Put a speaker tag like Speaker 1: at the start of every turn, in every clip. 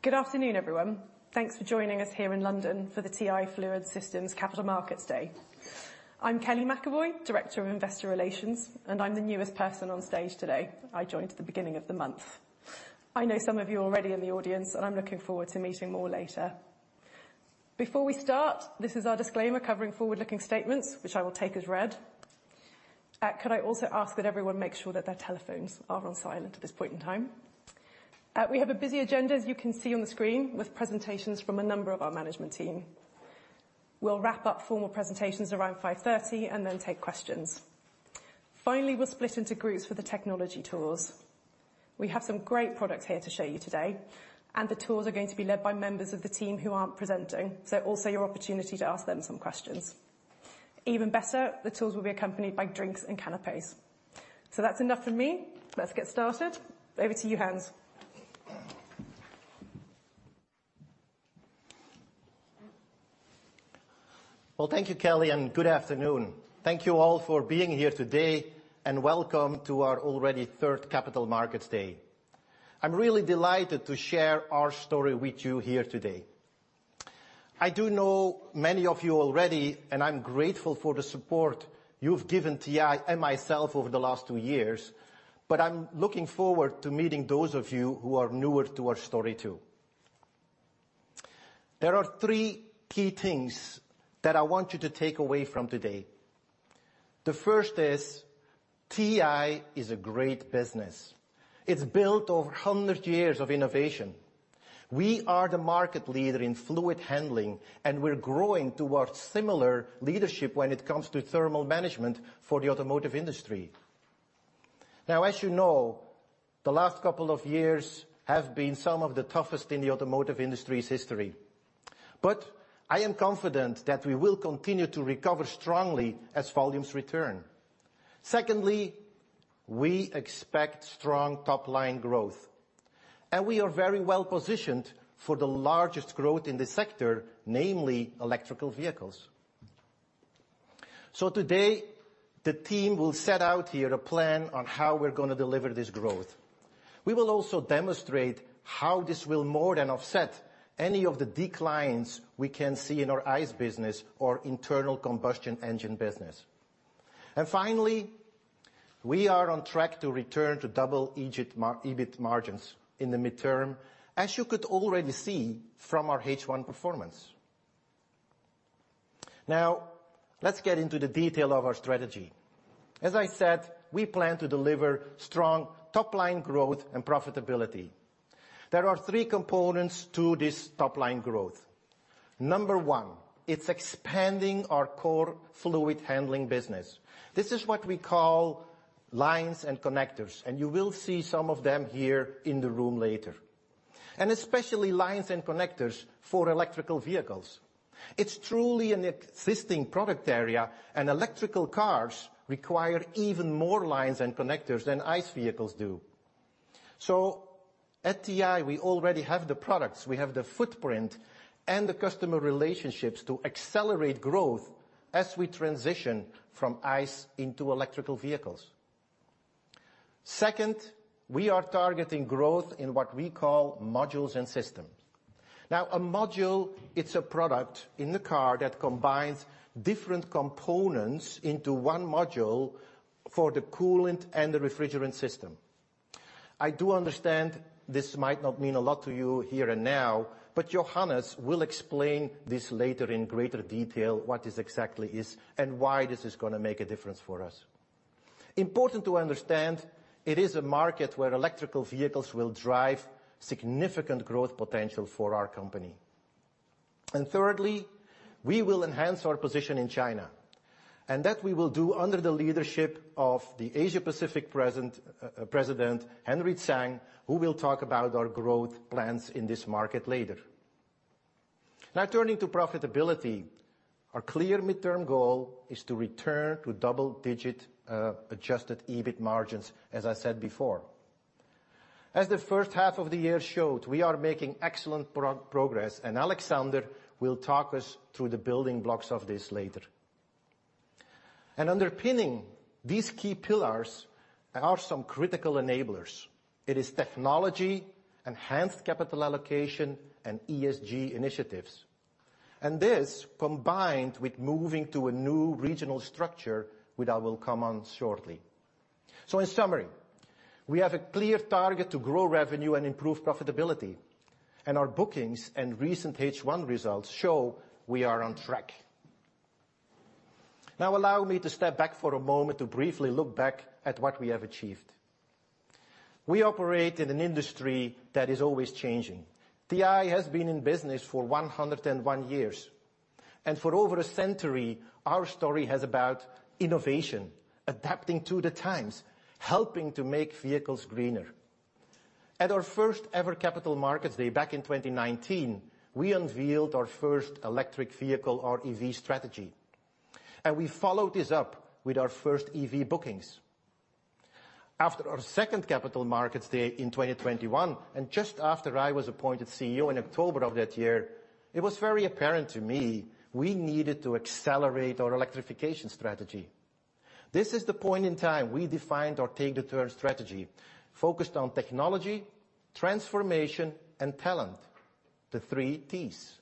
Speaker 1: Good afternoon, everyone. Thanks for joining us here in London for the TI Fluid Systems Capital Markets Day. I'm Kellie McAvoy, Director of Investor Relations, and I'm the newest person on stage today. I joined at the beginning of the month. I know some of you already in the audience, and I'm looking forward to meeting more later. Before we start, this is our disclaimer covering forward-looking statements, which I will take as read. Could I also ask that everyone makes sure that their telephones are on silent at this point in time? We have a busy agenda, as you can see on the screen, with presentations from a number of our management team. We'll wrap up formal presentations around 5:30 P.M., and then take questions. Finally, we'll split into groups for the technology tours. We have some great products here to show you today, and the tours are going to be led by members of the team who aren't presenting, so also your opportunity to ask them some questions. Even better, the tours will be accompanied by drinks and canapés. So that's enough from me. Let's get started. Over to you, Hans.
Speaker 2: Well, thank you, Kellie, and good afternoon. Thank you all for being here today, and welcome to our already third Capital Markets Day. I'm really delighted to share our story with you here today. I do know many of you already, and I'm grateful for the support you've given TI and myself over the last two years, but I'm looking forward to meeting those of you who are newer to our story, too. There are three key things that I want you to take away from today. The first is, TI is a great business. It's built over 100 years of innovation. We are the market leader in fluid handling, and we're growing towards similar leadership when it comes to thermal management for the automotive industry. Now, as you know, the last couple of years have been some of the toughest in the automotive industry's history, but I am confident that we will continue to recover strongly as volumes return. Secondly, we expect strong top-line growth, and we are very well positioned for the largest growth in the sector, namely electric vehicles. So today, the team will set out here a plan on how we're gonna deliver this growth. We will also demonstrate how this will more than offset any of the declines we can see in our ICE business or internal combustion engine business. And finally, we are on track to return to double-digit EBIT margins in the midterm, as you could already see from our H1 performance. Now, let's get into the detail of our strategy. As I said, we plan to deliver strong top-line growth and profitability. There are three components to this top-line growth. Number one, it's expanding our core fluid handling business. This is what we call lines and connectors, and you will see some of them here in the room later. And especially lines and connectors for electric vehicles. It's truly an existing product area, and electric cars require even more lines and connectors than ICE vehicles do. So at TI, we already have the products, we have the footprint and the customer relationships to accelerate growth as we transition from ICE into electric vehicles. Two, we are targeting growth in what we call modules and systems. Now, a module, it's a product in the car that combines different components into one module for the coolant and the refrigerant system. I do understand this might not mean a lot to you here and now, but Johannes will explain this later in greater detail, what this exactly is, and why this is gonna make a difference for us. Important to understand, it is a market where electric vehicles will drive significant growth potential for our company. And thirdly, we will enhance our position in China, and that we will do under the leadership of the Asia Pacific president, Henri Tsang, who will talk about our growth plans in this market later. Now, turning to profitability, our clear midterm goal is to return to double-digit adjusted EBIT margins, as I said before. As the first half of the year showed, we are making excellent progress, and Alexander will talk us through the building blocks of this later. And underpinning these key pillars are some critical enablers. It is technology, enhanced capital allocation, and ESG initiatives. This, combined with moving to a new regional structure, which I will come on to shortly. In summary, we have a clear target to grow revenue and improve profitability, and our bookings and recent H1 results show we are on track. Now, allow me to step back for a moment to briefly look back at what we have achieved. We operate in an industry that is always changing. TI has been in business for 101 years, and for over a century, our story has been about innovation, adapting to the times, helping to make vehicles greener. At our first ever Capital Markets Day back in 2019, we unveiled our first electric vehicle, or EV, strategy, and we followed this up with our first EV bookings. After our second Capital Markets Day in 2021, and just after I was appointed CEO in October of that year, it was very apparent to me we needed to accelerate our electrification strategy. This is the point in time we defined our Take the Turn strategy, focused on technology, transformation, and talent, the three Ts.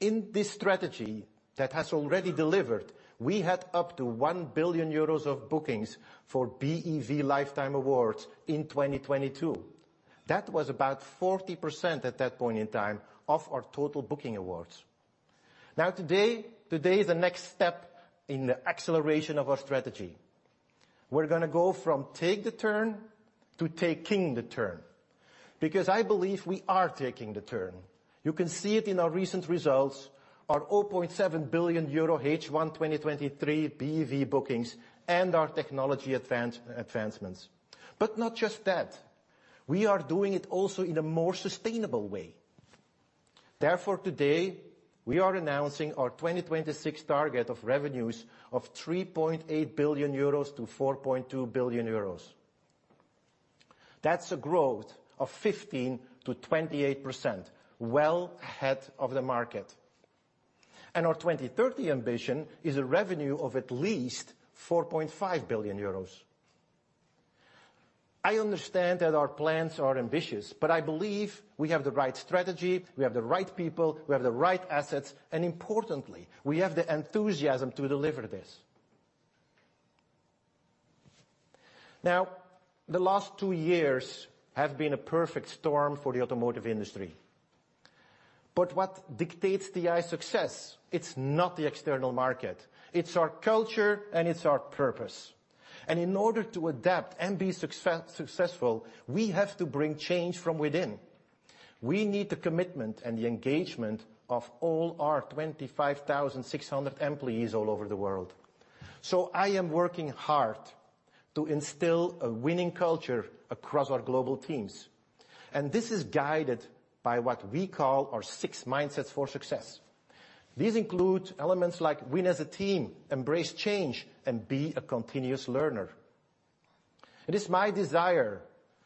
Speaker 2: In this strategy that has already delivered, we had up to 1 billion euros of bookings for BEV lifetime awards in 2022. That was about 40% at that point in time of our total booking awards. Now, today, today is the next step in the acceleration of our strategy. We're gonna go from Take the Turn to Taking the Turn, because I believe we are taking the turn. You can see it in our recent results, our 0.7 billion euro H1 2023 BEV bookings, and our technology advancements. But not just that, we are doing it also in a more sustainable way. Therefore, today, we are announcing our 2026 target of revenues of 3.8 billion-4.2 billion euros. That's a growth of 15%-28%, well ahead of the market. And our 2030 ambition is a revenue of at least 4.5 billion euros. I understand that our plans are ambitious, but I believe we have the right strategy, we have the right people, we have the right assets, and importantly, we have the enthusiasm to deliver this. Now, the last two years have been a perfect storm for the automotive industry. But what dictates TI’s success? It's not the external market, it's our culture and it's our purpose, and in order to adapt and be successful, we have to bring change from within. We need the commitment and the engagement of all our 25,600 employees all over the world. So I am working hard to instill a winning culture across our global teams, and this is guided by what we call our six mindsets for success. These include elements like win as a team, embrace change, and be a continuous learner. It is my desire,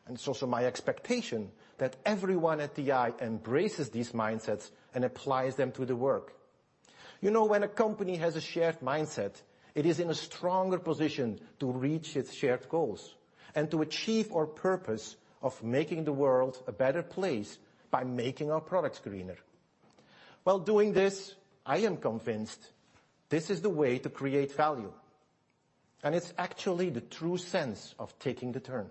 Speaker 2: and it's also my expectation, that everyone at TI embraces these mindsets and applies them to the work. You know, when a company has a shared mindset, it is in a stronger position to reach its shared goals and to achieve our purpose of making the world a better place by making our products greener. While doing this, I am convinced this is the way to create value, and it's actually the true sense of Taking the Turn.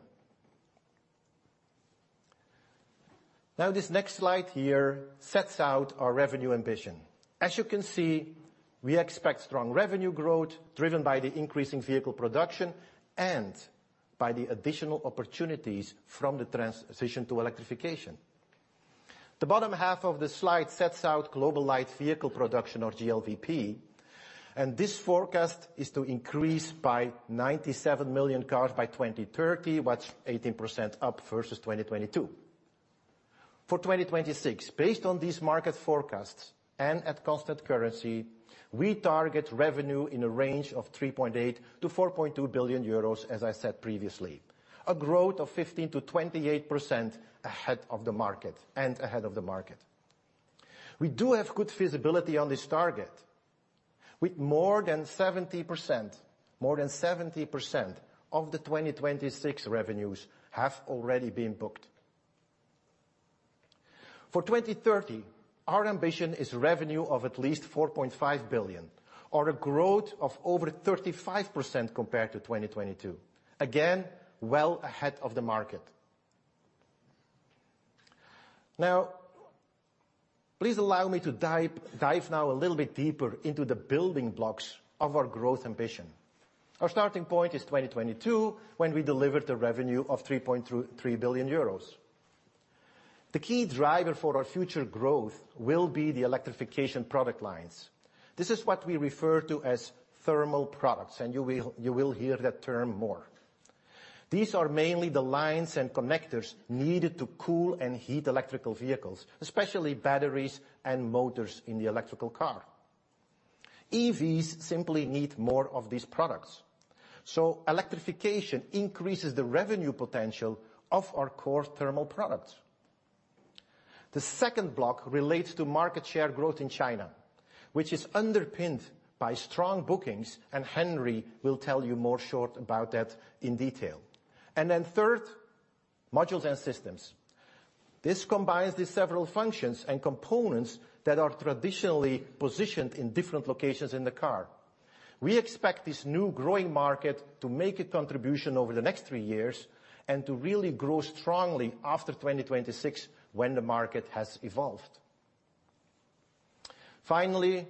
Speaker 2: Now, this next slide here sets out our revenue ambition. As you can see, we expect strong revenue growth, driven by the increasing vehicle production and by the additional opportunities from the transition to electrification. The bottom half of the slide sets out global light vehicle production, or GLVP, and this forecast is to increase by 97 million cars by 2030, what's 18% up versus 2022. For 2026, based on these market forecasts and at constant currency, we target revenue in a range of 3.8 billion-4.2 billion euros, as I said previously, a growth of 15%-28% ahead of the market, and ahead of the market. We do have good visibility on this target, with more than 70% of the 2026 revenues have already been booked. For 2030, our ambition is revenue of at least 4.5 billion, or a growth of over 35% compared to 2022. Again, well ahead of the market. Now, please allow me to dive now a little bit deeper into the building blocks of our growth ambition. Our starting point is 2022, when we delivered a revenue of 3.3 billion euros. The key driver for our future growth will be the electrification product lines. This is what we refer to as thermal products, and you will hear that term more. These are mainly the lines and connectors needed to cool and heat electrical vehicles, especially batteries and motors in the electrical car. EVs simply need more of these products, so electrification increases the revenue potential of our core thermal products. The second block relates to market share growth in China, which is underpinned by strong bookings, and Henri will tell you more short about that in detail. And then third, modules and systems. This combines the several functions and components that are traditionally positioned in different locations in the car. We expect this new growing market to make a contribution over the next three years and to really grow strongly after 2026 when the market has evolved. Finally,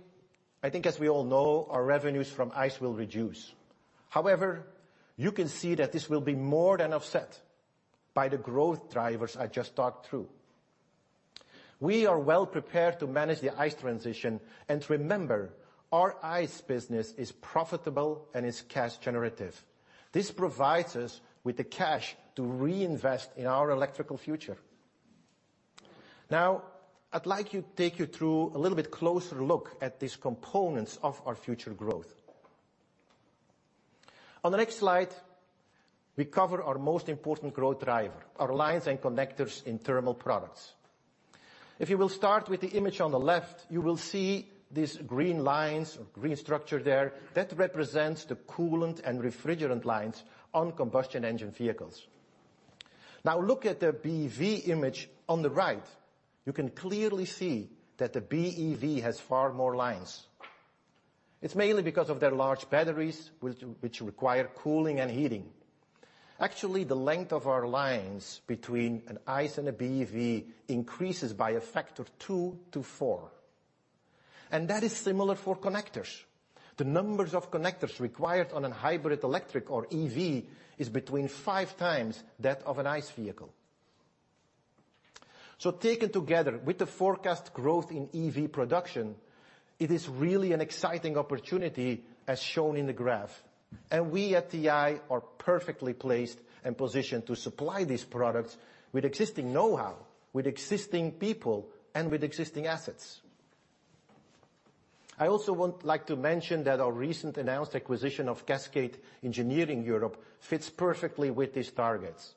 Speaker 2: I think as we all know, our revenues from ICE will reduce. However, you can see that this will be more than offset by the growth drivers I just talked through. We are well prepared to manage the ICE transition, and remember, our ICE business is profitable and is cash generative. This provides us with the cash to reinvest in our electrical future. Now, I'd like you to take you through a little bit closer look at these components of our future growth. On the next slide, we cover our most important growth driver, our lines and connectors in thermal products. If you will start with the image on the left, you will see these green lines, or green structure there. That represents the coolant and refrigerant lines on combustion engine vehicles. Now look at the BEV image on the right. You can clearly see that the BEV has far more lines. It's mainly because of their large batteries, which require cooling and heating. Actually, the length of our lines between an ICE and a BEV increases by a factor of two to four, and that is similar for connectors. The numbers of connectors required on a hybrid electric or EV is between 5x that of an ICE vehicle. So taken together, with the forecast growth in EV production, it is really an exciting opportunity, as shown in the graph. We at TI are perfectly placed and positioned to supply these products with existing know-how, with existing people, and with existing assets. I also want, like to mention that our recent announced acquisition of Cascade Engineering Europe fits perfectly with these targets.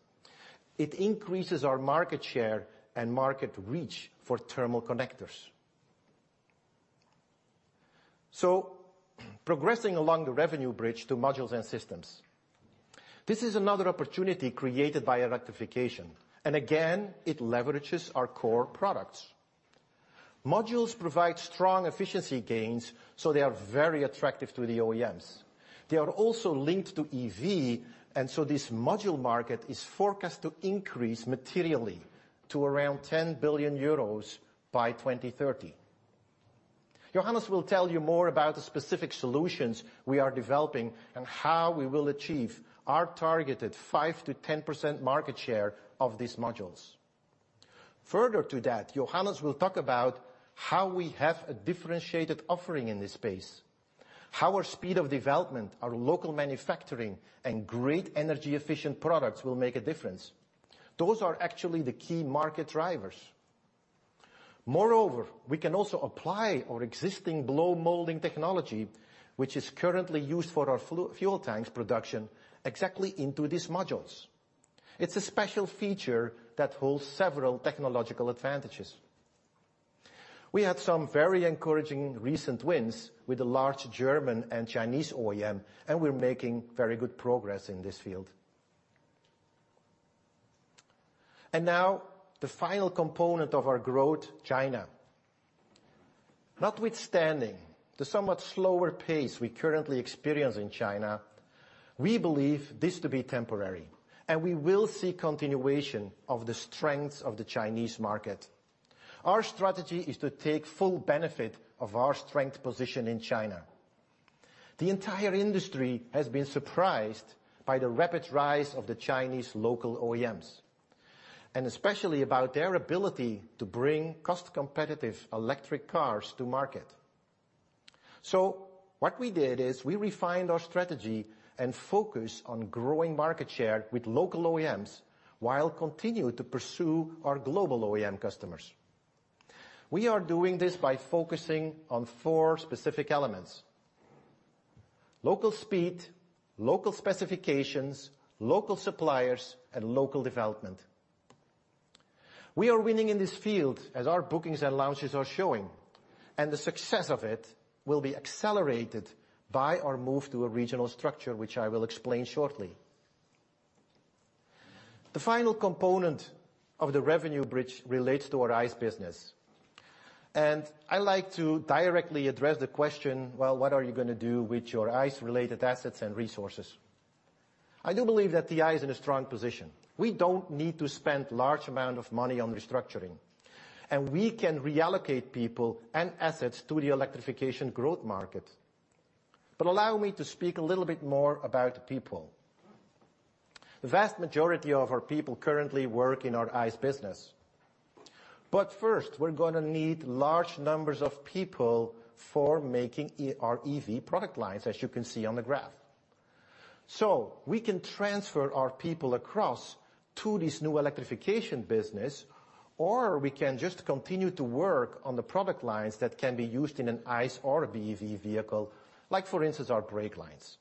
Speaker 2: It increases our market share and market reach for thermal connectors. So progressing along the revenue bridge to modules and systems. This is another opportunity created by electrification, and again, it leverages our core products. Modules provide strong efficiency gains, so they are very attractive to the OEMs. They are also linked to EV, and so this module market is forecast to increase materially to around 10 billion euros by 2030. Johannes will tell you more about the specific solutions we are developing, and how we will achieve our targeted 5%-10% market share of these modules. Further to that, Johannes will talk about how we have a differentiated offering in this space, how our speed of development, our local manufacturing, and great energy-efficient products will make a difference. Those are actually the key market drivers. Moreover, we can also apply our existing blow molding technology, which is currently used for our fuel tanks production, exactly into these modules. It's a special feature that holds several technological advantages. We had some very encouraging recent wins with a large German and Chinese OEM, and we're making very good progress in this field. Now, the final component of our growth, China. Notwithstanding the somewhat slower pace we currently experience in China, we believe this to be temporary, and we will see continuation of the strengths of the Chinese market. Our strategy is to take full benefit of our strength position in China. The entire industry has been surprised by the rapid rise of the Chinese local OEMs, and especially about their ability to bring cost-competitive electric cars to market. What we did is, we refined our strategy and focused on growing market share with local OEMs, while continuing to pursue our global OEM customers. We are doing this by focusing on four specific elements: local speed, local specifications, local suppliers, and local development. We are winning in this field as our bookings and launches are showing, and the success of it will be accelerated by our move to a regional structure, which I will explain shortly. The final component of the revenue bridge relates to our ICE business, and I like to directly address the question, "Well, what are you gonna do with your ICE-related assets and resources?" I do believe that TI is in a strong position. We don't need to spend large amount of money on restructuring, and we can reallocate people and assets to the electrification growth market. But allow me to speak a little bit more about the people. The vast majority of our people currently work in our ICE business, but first, we're gonna need large numbers of people for making our EV product lines, as you can see on the graph. So we can transfer our people across to this new electrification business, or we can just continue to work on the product lines that can be used in an ICE or a BEV vehicle, like for instance, our brake lines.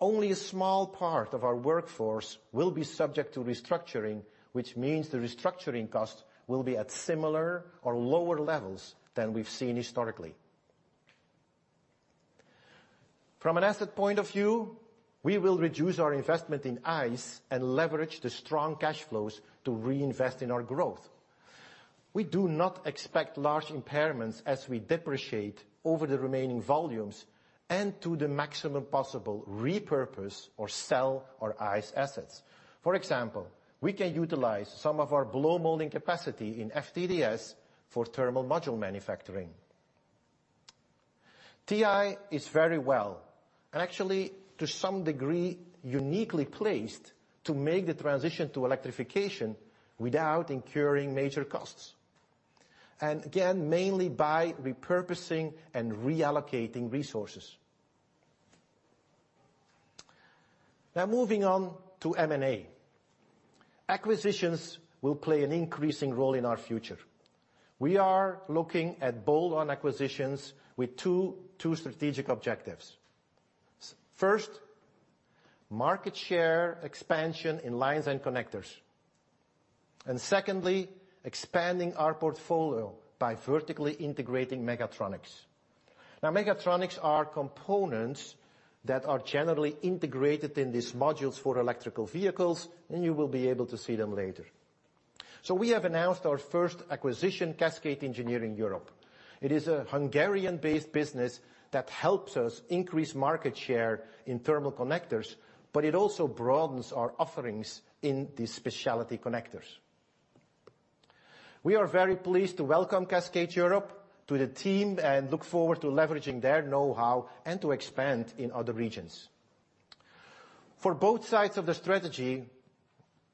Speaker 2: Only a small part of our workforce will be subject to restructuring, which means the restructuring costs will be at similar or lower levels than we've seen historically. From an asset point of view, we will reduce our investment in ICE and leverage the strong cash flows to reinvest in our growth. We do not expect large impairments as we depreciate over the remaining volumes, and to the maximum possible, repurpose or sell our ICE assets. For example, we can utilize some of our blow molding capacity in FTDS for thermal module manufacturing. TI is very well, and actually, to some degree, uniquely placed to make the transition to electrification without incurring major costs, and again, mainly by repurposing and reallocating resources. Now, moving on to M&A. Acquisitions will play an increasing role in our future. We are looking at bolt-on acquisitions with two strategic objectives. First, market share expansion in lines and connectors. And secondly, expanding our portfolio by vertically integrating mechatronics. Now, mechatronics are components that are generally integrated in these modules for electric vehicles, and you will be able to see them later. So we have announced our first acquisition, Cascade Engineering Europe. It is a Hungarian-based business that helps us increase market share in thermal connectors, but it also broadens our offerings in the specialty connectors. We are very pleased to welcome Cascade Europe to the team, and look forward to leveraging their know-how and to expand in other regions. For both sides of the strategy,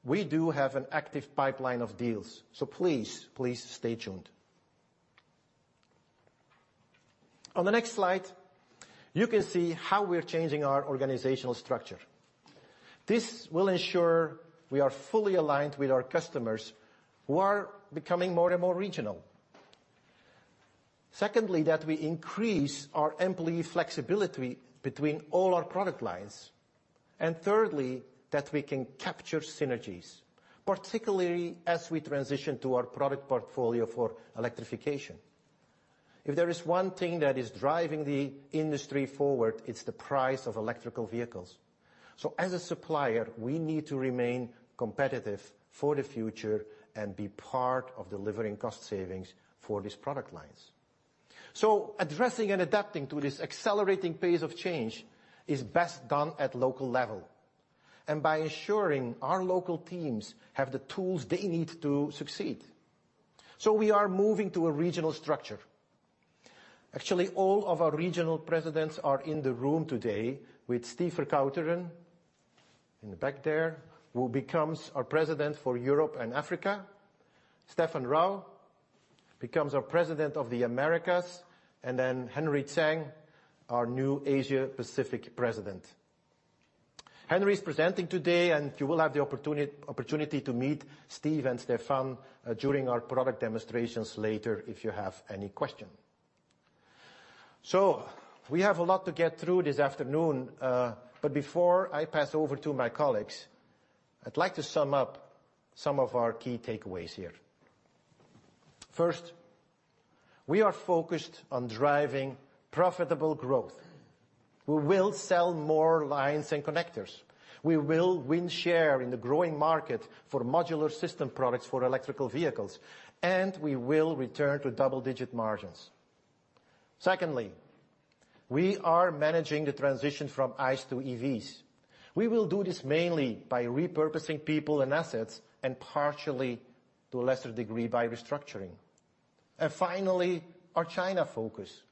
Speaker 2: we do have an active pipeline of deals, so please, please stay tuned. On the next slide, you can see how we're changing our organizational structure. This will ensure we are fully aligned with our customers, who are becoming more and more regional. Secondly, that we increase our employee flexibility between all our product lines. And thirdly, that we can capture synergies, particularly as we transition to our product portfolio for electrification. If there is one thing that is driving the industry forward, it's the price of electric vehicles. So as a supplier, we need to remain competitive for the future and be part of delivering cost savings for these product lines. So addressing and adapting to this accelerating pace of change is best done at local level, and by ensuring our local teams have the tools they need to succeed. So we are moving to a regional structure. Actually, all of our regional presidents are in the room today, with Steve Vercauteren, in the back there, who becomes our president for Europe and Africa, Stefan Rau becomes our president of the Americas, and then Henri Tsang, our new Asia Pacific president. Henri is presenting today, and you will have the opportunity to meet Steve and Stefan during our product demonstrations later if you have any question. So we have a lot to get through this afternoon, but before I pass over to my colleagues, I'd like to sum up some of our key takeaways here. First, we are focused on driving profitable growth. We will sell more lines and connectors. We will win share in the growing market for modular system products for electric vehicles, and we will return to double-digit margins. Secondly, we are managing the transition from ICE to EVs. We will do this mainly by repurposing people and assets, and partially, to a lesser degree, by restructuring. And finally, our China focus.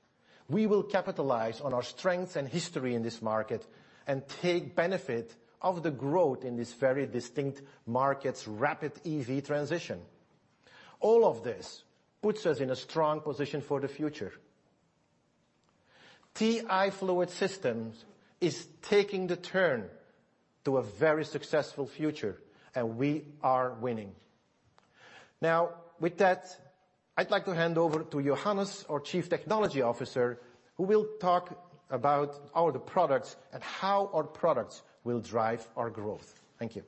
Speaker 2: We will capitalize on our strengths and history in this market and take benefit of the growth in this very distinct market's rapid EV transition. All of this puts us in a strong position for the future. TI Fluid Systems is taking the turn to a very successful future, and we are winning. Now, with that, I'd like to hand over to Johannes, our Chief Technology Officer, who will talk about all the products and how our products will drive our growth. Thank you.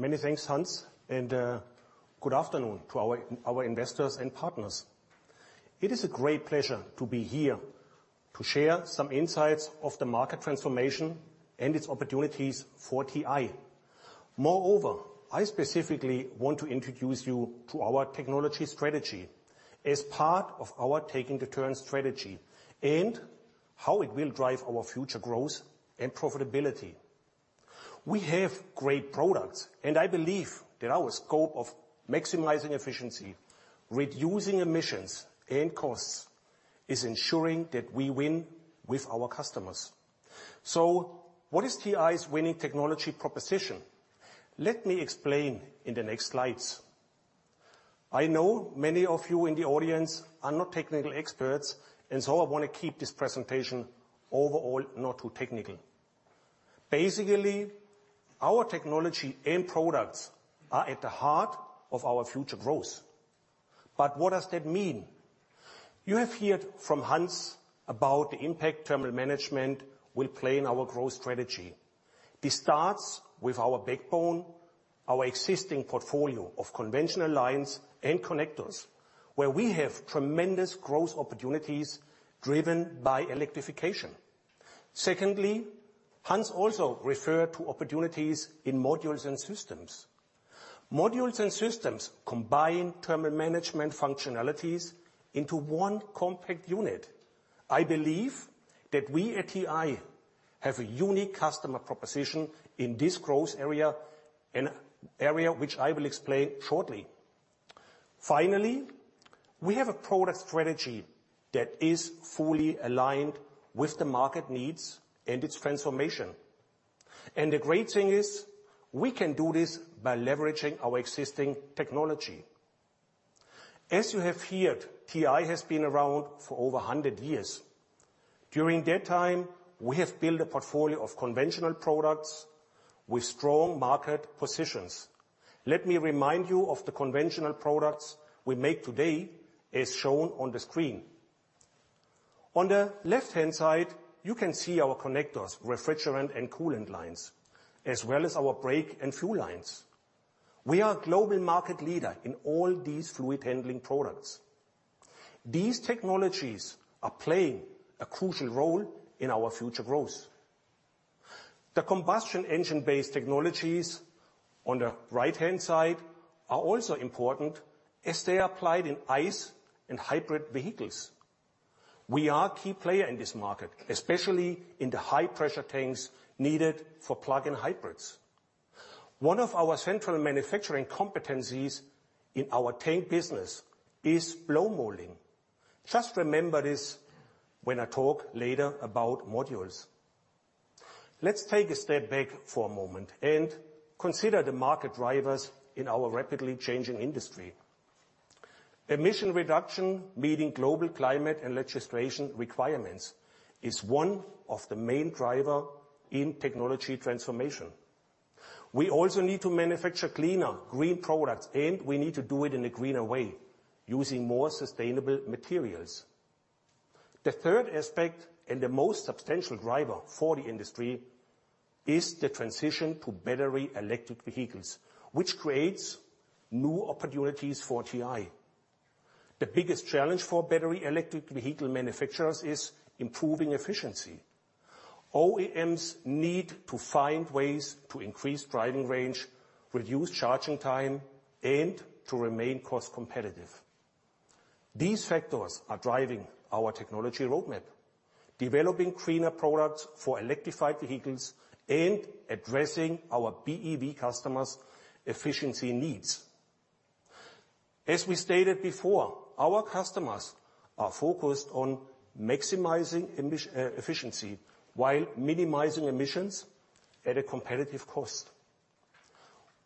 Speaker 3: Many thanks, Hans, and good afternoon to our investors and partners. It is a great pleasure to be here to share some insights of the market transformation and its opportunities for TI. Moreover, I specifically want to introduce you to our technology strategy as part of our Taking the Turn strategy, and how it will drive our future growth and profitability. We have great products, and I believe that our scope of maximizing efficiency, reducing emissions and costs, is ensuring that we win with our customers. So what is TI's winning technology proposition? Let me explain in the next slides. I know many of you in the audience are not technical experts, and so I want to keep this presentation overall not too technical. Basically, our technology and products are at the heart of our future growth. But what does that mean? You have heard from Hans about the impact thermal management will play in our growth strategy. This starts with our backbone, our existing portfolio of conventional lines and connectors, where we have tremendous growth opportunities driven by electrification. Secondly, Hans also referred to opportunities in modules and systems. Modules and systems combine thermal management functionalities into one compact unit. I believe that we at TI have a unique customer proposition in this growth area, an area which I will explain shortly. Finally, we have a product strategy that is fully aligned with the market needs and its transformation. And the great thing is, we can do this by leveraging our existing technology. As you have heard, TI has been around for over 100 years. During that time, we have built a portfolio of conventional products with strong market positions. Let me remind you of the conventional products we make today, as shown on the screen. On the left-hand side, you can see our connectors, refrigerant, and coolant lines, as well as our brake and fuel lines. We are a global market leader in all these fluid handling products. These technologies are playing a crucial role in our future growth. The combustion engine-based technologies on the right-hand side are also important, as they are applied in ICE and hybrid vehicles. We are a key player in this market, especially in the high-pressure tanks needed for plug-in hybrids. One of our central manufacturing competencies in our tank business is blow molding. Just remember this when I talk later about modules. Let's take a step back for a moment and consider the market drivers in our rapidly changing industry. Emission reduction, meeting global climate and legislation requirements, is one of the main driver in technology transformation. We also need to manufacture cleaner, green products, and we need to do it in a greener way, using more sustainable materials. The third aspect, and the most substantial driver for the industry, is the transition to battery electric vehicles, which creates new opportunities for TI. The biggest challenge for battery electric vehicle manufacturers is improving efficiency. OEMs need to find ways to increase driving range, reduce charging time, and to remain cost competitive. These factors are driving our technology roadmap, developing cleaner products for electrified vehicles, and addressing our BEV customers' efficiency needs. As we stated before, our customers are focused on maximizing efficiency, while minimizing emissions at a competitive cost.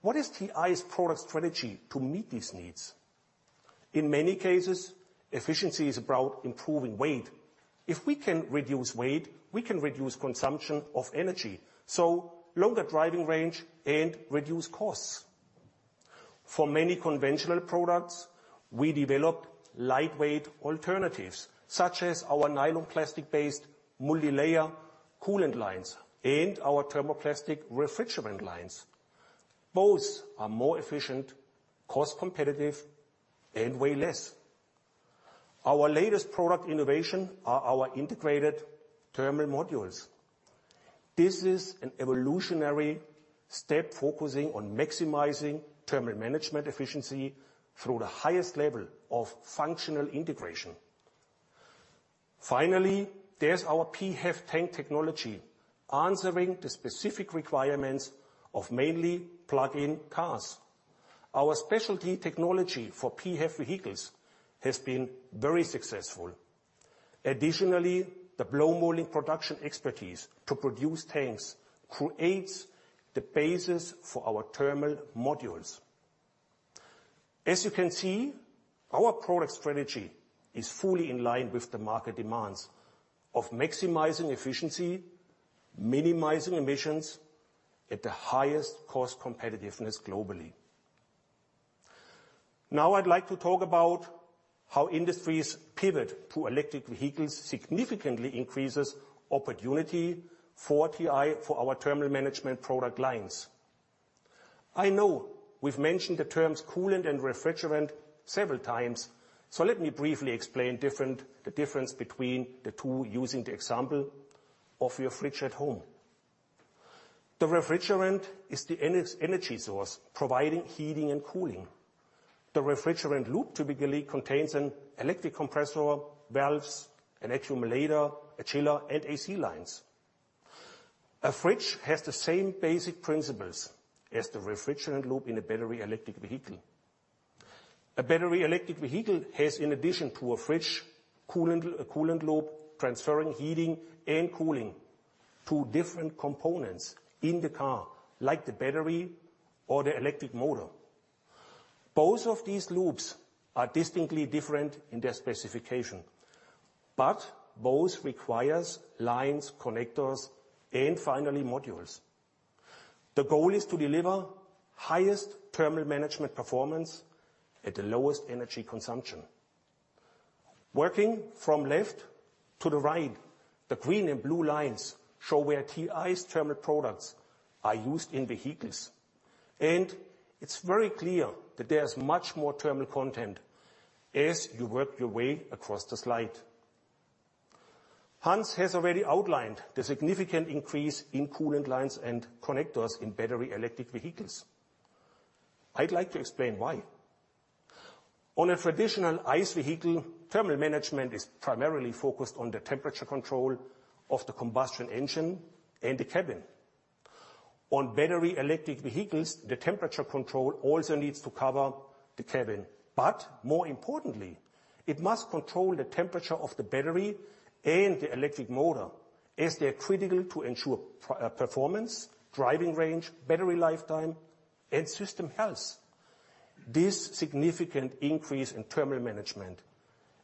Speaker 3: What is TI's product strategy to meet these needs? In many cases, efficiency is about improving weight. If we can reduce weight, we can reduce consumption of energy, so longer driving range and reduce costs. For many conventional products, we developed lightweight alternatives, such as our nylon plastic-based multilayer coolant lines and our thermoplastic refrigerant lines. Both are more efficient, cost-competitive, and weigh less. Our latest product innovation are our integrated thermal modules. This is an evolutionary step focusing on maximizing thermal management efficiency through the highest level of functional integration. Finally, there's our PHEV tank technology, answering the specific requirements of mainly plug-in cars. Our specialty technology for PHEV vehicles has been very successful. Additionally, the blow molding production expertise to produce tanks creates the basis for our thermal modules. As you can see, our product strategy is fully in line with the market demands of maximizing efficiency, minimizing emissions at the highest cost competitiveness globally. Now, I'd like to talk about how industries pivot to electric vehicles, significantly increases opportunity for TI, for our thermal management product lines. I know we've mentioned the terms coolant and refrigerant several times, so let me briefly explain the difference between the two, using the example of your fridge at home. The refrigerant is the energy source, providing heating and cooling. The refrigerant loop typically contains an electric compressor, valves, an accumulator, a chiller, and AC lines. A fridge has the same basic principles as the refrigerant loop in a battery electric vehicle. A battery electric vehicle has, in addition to a fridge, a coolant loop, transferring heating and cooling to different components in the car, like the battery or the electric motor. Both of these loops are distinctly different in their specification, but both requires lines, connectors, and finally, modules. The goal is to deliver highest thermal management performance at the lowest energy consumption. Working from left to the right, the green and blue lines show where TI's thermal products are used in vehicles, and it's very clear that there's much more thermal content as you work your way across the slide. Hans has already outlined the significant increase in coolant lines and connectors in battery electric vehicles. I'd like to explain why. On a traditional ICE vehicle, thermal management is primarily focused on the temperature control of the combustion engine and the cabin. On battery electric vehicles, the temperature control also needs to cover the cabin, but more importantly, it must control the temperature of the battery and the electric motor, as they're critical to ensure performance, driving range, battery lifetime, and system health. This significant increase in thermal management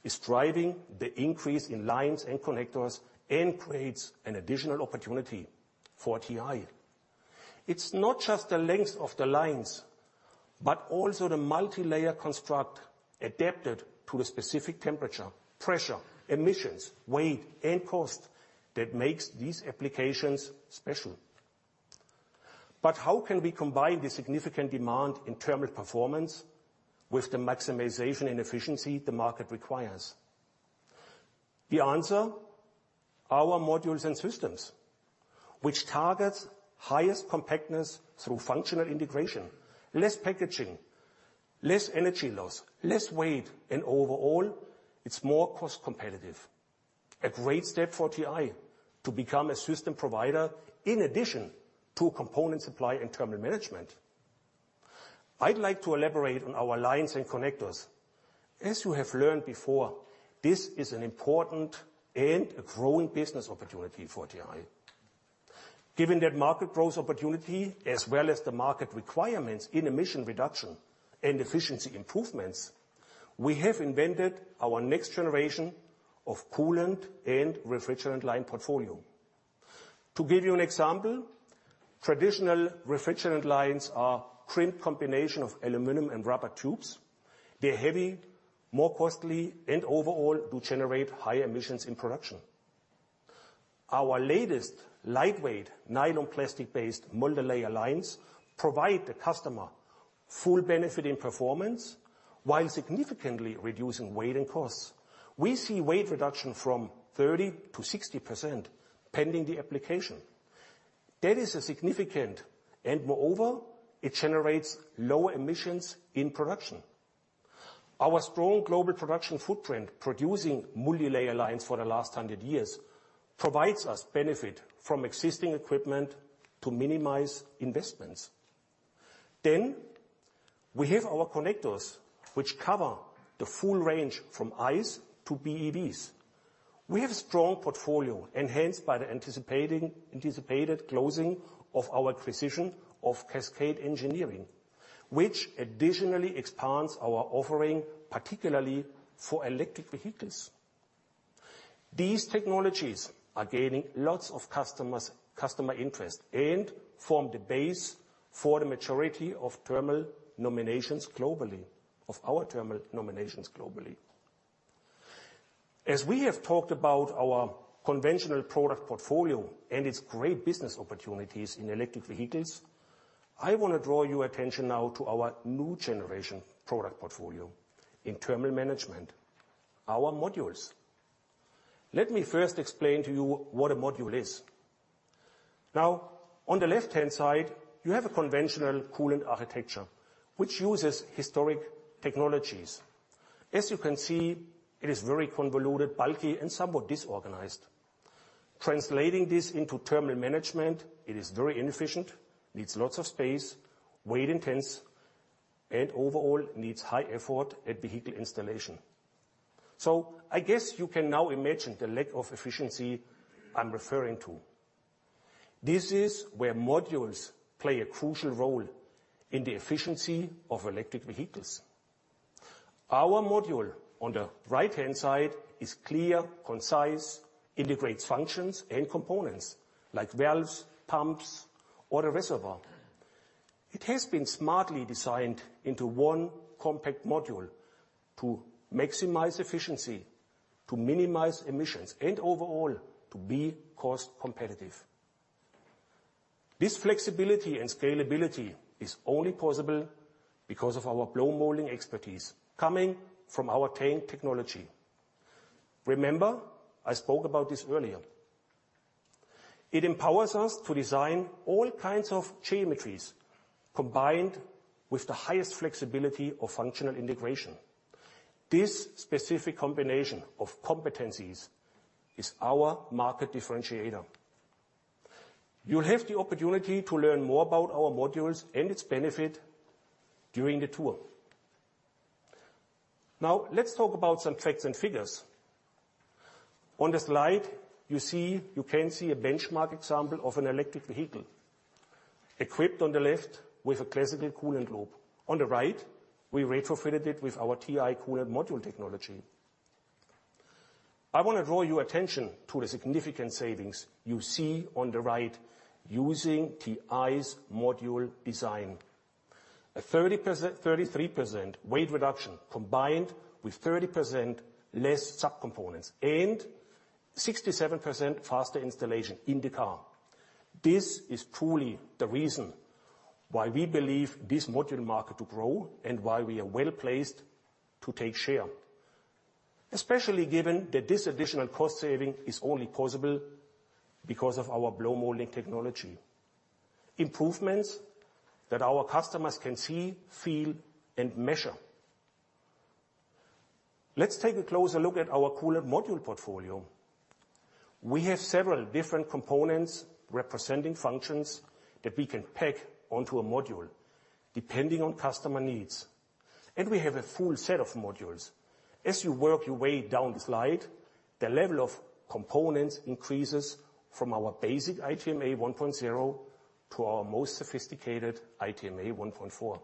Speaker 3: is driving the increase in lines and connectors, and creates an additional opportunity for TI. It's not just the length of the lines, but also the multilayer construct adapted to the specific temperature, pressure, emissions, weight, and cost, that makes these applications special. But how can we combine the significant demand in thermal performance with the maximization and efficiency the market requires? The answer: our modules and systems, which targets highest compactness through functional integration, less packaging, less energy loss, less weight, and overall, it's more cost competitive. A great step for TI to become a system provider in addition to component supply and thermal management. I'd like to elaborate on our lines and connectors. As you have learned before, this is an important and a growing business opportunity for TI. Given that market growth opportunity, as well as the market requirements in emission reduction and efficiency improvements, we have invented our next generation of coolant and refrigerant line portfolio. To give you an example, traditional refrigerant lines are crimped combination of aluminum and rubber tubes. They're heavy, more costly, and overall, do generate high emissions in production. Our latest lightweight nylon plastic-based multilayer lines provide the customer full benefit in performance, while significantly reducing weight and costs. We see weight reduction from 30%-60%, pending the application. That is a significant, and moreover, it generates low emissions in production. Our strong global production footprint, producing multilayer lines for the last 100 years, provides us benefit from existing equipment to minimize investments. Then, we have our connectors, which cover the full range from ICE to BEVs. We have a strong portfolio, enhanced by the anticipated closing of our acquisition of Cascade Engineering, which additionally expands our offering, particularly for electric vehicles. These technologies are gaining lots of customers, customer interest, and form the base for the majority of thermal nominations globally of our thermal nominations globally. As we have talked about our conventional product portfolio and its great business opportunities in electric vehicles, I wanna draw your attention now to our new generation product portfolio in thermal management, our modules. Let me first explain to you what a module is. Now, on the left-hand side, you have a conventional coolant architecture, which uses historic technologies. As you can see, it is very convoluted, bulky, and somewhat disorganized. Translating this into thermal management, it is very inefficient, needs lots of space, weight intense, and overall, needs high effort at vehicle installation. So I guess you can now imagine the lack of efficiency I'm referring to. This is where modules play a crucial role in the efficiency of electric vehicles. Our module, on the right-hand side, is clear, concise, integrates functions and components, like valves, pumps, or a reservoir. It has been smartly designed into one compact module to maximize efficiency, to minimize emissions, and overall, to be cost competitive. This flexibility and scalability is only possible because of our blow molding expertise, coming from our tank technology. Remember, I spoke about this earlier. It empowers us to design all kinds of geometries, combined with the highest flexibility of functional integration. This specific combination of competencies is our market differentiator. You'll have the opportunity to learn more about our modules and its benefit during the tour. Now, let's talk about some facts and figures. On the slide, you can see a benchmark example of an electric vehicle, equipped on the left with a classical coolant loop. On the right, we retrofitted it with our TI coolant module technology. I wanna draw your attention to the significant savings you see on the right using TI's module design. A 33% weight reduction, combined with 30% less subcomponents, and 67% faster installation in the car. This is truly the reason why we believe this module market to grow, and why we are well placed to take share, especially given that this additional cost saving is only possible because of our blow molding technology. Improvements that our customers can see, feel, and measure. Let's take a closer look at our coolant module portfolio. We have several different components representing functions that we can pack onto a module, depending on customer needs, and we have a full set of modules. As you work your way down the slide, the level of components increases from our basic ITMA 1.0 to our most sophisticated ITMA 1.4.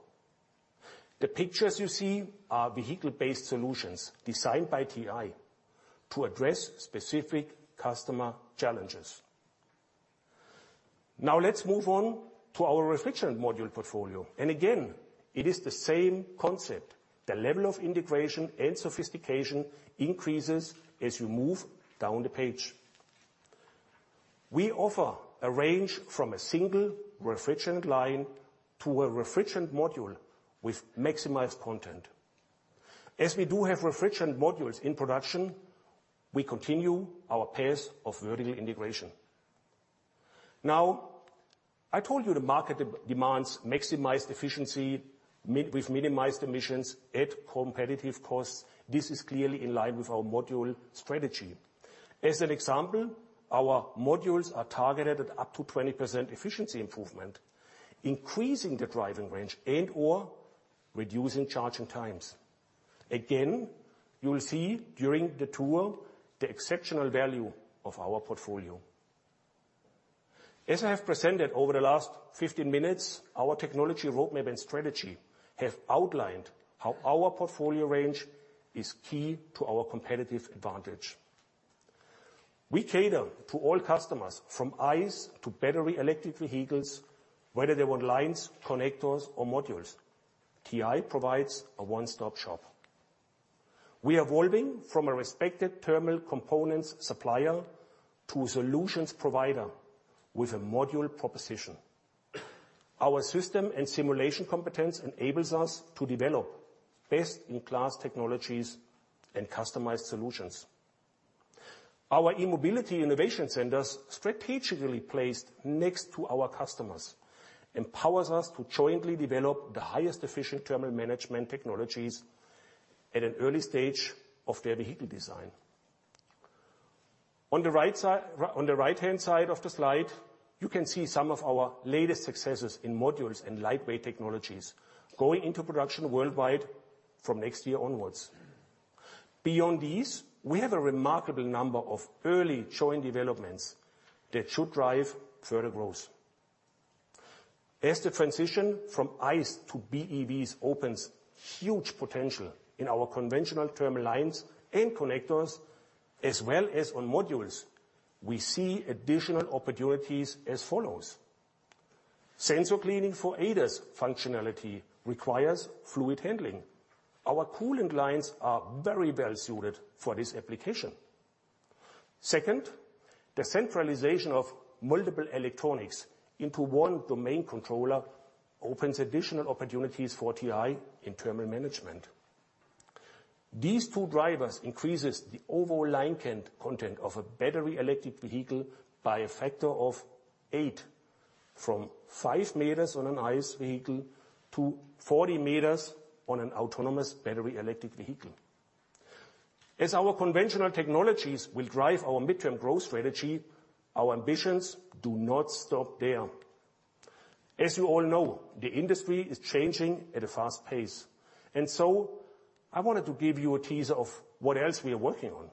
Speaker 3: The pictures you see are vehicle-based solutions designed by TI to address specific customer challenges. Now let's move on to our refrigerant module portfolio, and again, it is the same concept. The level of integration and sophistication increases as you move down the page. We offer a range from a single refrigerant line to a refrigerant module with maximized content. As we do have refrigerant modules in production, we continue our pace of vertical integration. Now, I told you the market demands maximized efficiency, with minimized emissions at competitive costs. This is clearly in line with our module strategy. As an example, our modules are targeted at up to 20% efficiency improvement, increasing the driving range and/or reducing charging times. Again, you will see during the tour the exceptional value of our portfolio. As I have presented over the last 15 minutes, our technology roadmap and strategy have outlined how our portfolio range is key to our competitive advantage. We cater to all customers, from ICE to battery electric vehicles, whether they want lines, connectors, or modules. TI provides a one-stop shop. We are evolving from a respected thermal components supplier to a solutions provider with a module proposition. Our system and simulation competence enables us to develop best-in-class technologies and customized solutions. Our e-Mobility Innovation Centers, strategically placed next to our customers, empowers us to jointly develop the highest efficient thermal management technologies at an early stage of their vehicle design. On the right side, on the right-hand side of the slide, you can see some of our latest successes in modules and lightweight technologies going into production worldwide from next year onwards. Beyond these, we have a remarkable number of early joint developments that should drive further growth. As the transition from ICE to BEVs opens huge potential in our conventional thermal lines and connectors, as well as on modules, we see additional opportunities as follows: sensor cleaning for ADAS functionality requires fluid handling. Our coolant lines are very well suited for this application. Second, the centralization of multiple electronics into one domain controller opens additional opportunities for TI in thermal management. These two drivers increases the overall line content of a battery electric vehicle by a factor of eight, from five meters on an ICE vehicle to 40 meters on an autonomous battery electric vehicle. As our conventional technologies will drive our midterm growth strategy, our ambitions do not stop there. As you all know, the industry is changing at a fast pace, and so I wanted to give you a tease of what else we are working on.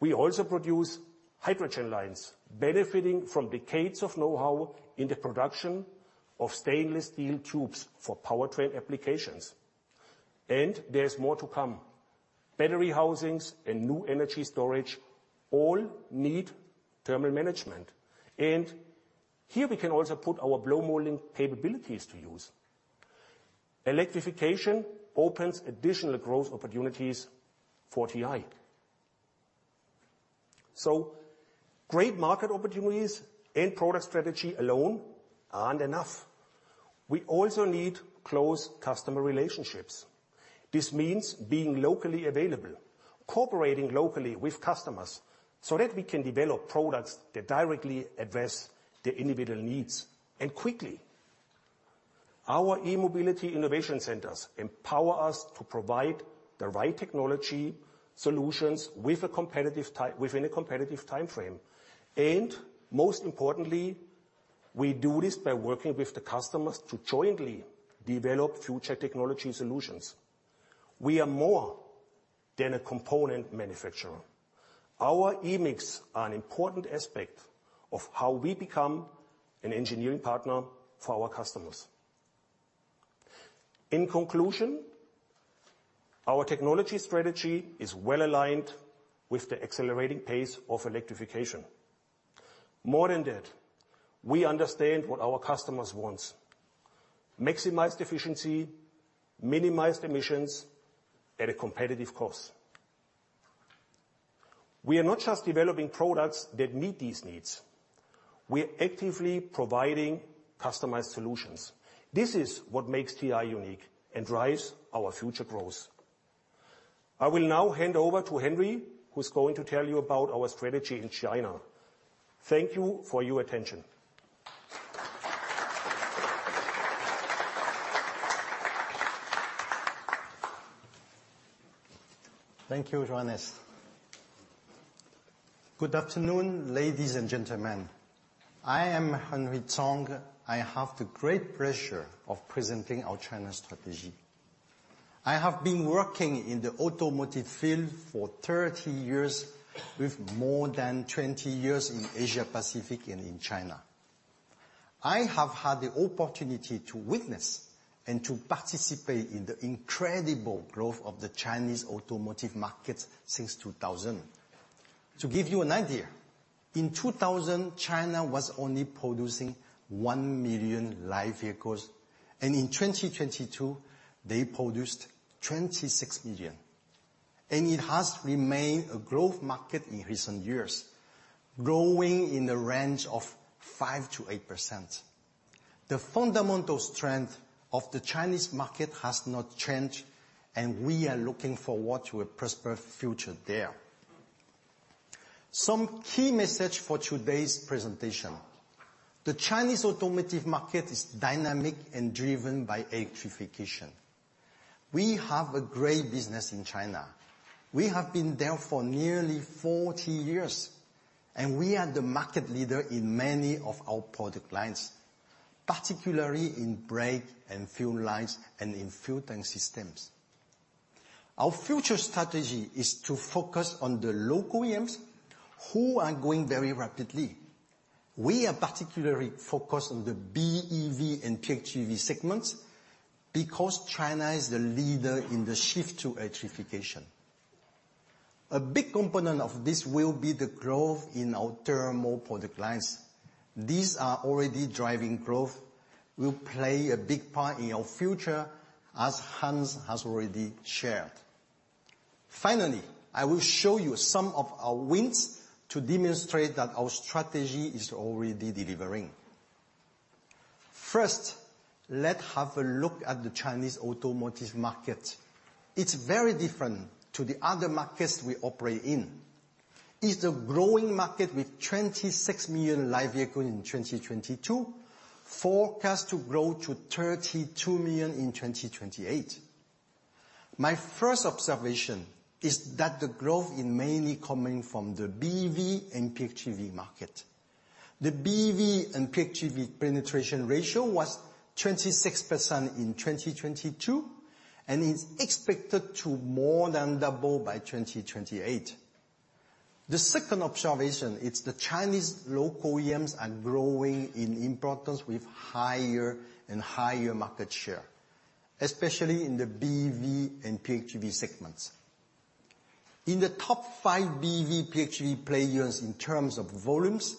Speaker 3: We also produce hydrogen lines, benefiting from decades of know-how in the production of stainless steel tubes for powertrain applications. And there's more to come. Battery housings and new energy storage all need thermal management, and here we can also put our blow molding capabilities to use. Electrification opens additional growth opportunities for TI. So great market opportunities and product strategy alone aren't enough. We also need close customer relationships. This means being locally available, cooperating locally with customers so that we can develop products that directly address their individual needs, and quickly. Our e-Mobility Innovation Centers empower us to provide the right technology solutions with a competitive time within a competitive timeframe. Most importantly, we do this by working with the customers to jointly develop future technology solutions. We are more than a component manufacturer. Our eMICs are an important aspect of how we become an engineering partner for our customers. In conclusion, our technology strategy is well aligned with the accelerating pace of electrification. More than that, we understand what our customers want: maximized efficiency, minimized emissions at a competitive cost. We are not just developing products that meet these needs, we are actively providing customized solutions. This is what makes TI unique and drives our future growth. I will now hand over to Henri, who's going to tell you about our strategy in China. Thank you for your attention.
Speaker 4: Thank you, Johannes. Good afternoon, ladies and gentlemen. I am Henri Tsang. I have the great pleasure of presenting our China strategy. I have been working in the automotive field for 30 years, with more than 20 years in Asia Pacific and in China. I have had the opportunity to witness and to participate in the incredible growth of the Chinese automotive market since 2000. To give you an idea, in 2000, China was only producing one million light vehicles, and in 2022, they produced 26 million. It has remained a growth market in recent years, growing in the range of 5%-8%. The fundamental strength of the Chinese market has not changed, and we are looking forward to a prosperous future there. Some key message for today's presentation: the Chinese automotive market is dynamic and driven by electrification. We have a great business in China. We have been there for nearly 40 years, and we are the market leader in many of our product lines, particularly in brake and fuel lines and in fuel tank systems. Our future strategy is to focus on the local OEMs who are growing very rapidly. We are particularly focused on the BEV and PHEV segments because China is the leader in the shift to electrification. A big component of this will be the growth in our thermal product lines. These are already driving growth, will play a big part in our future, as Hans has already shared. Finally, I will show you some of our wins to demonstrate that our strategy is already delivering. First, let's have a look at the Chinese automotive market. It's very different to the other markets we operate in. It's a growing market with 26 million light vehicles in 2022, forecast to grow to 32 million in 2028. My first observation is that the growth is mainly coming from the BEV and PHEV market. The BEV and PHEV penetration ratio was 26% in 2022, and is expected to more than double by 2028. The second observation, it's the Chinese local OEMs are growing in importance with higher and higher market share, especially in the BEV and PHEV segments. In the top five BEV, PHEV players in terms of volumes,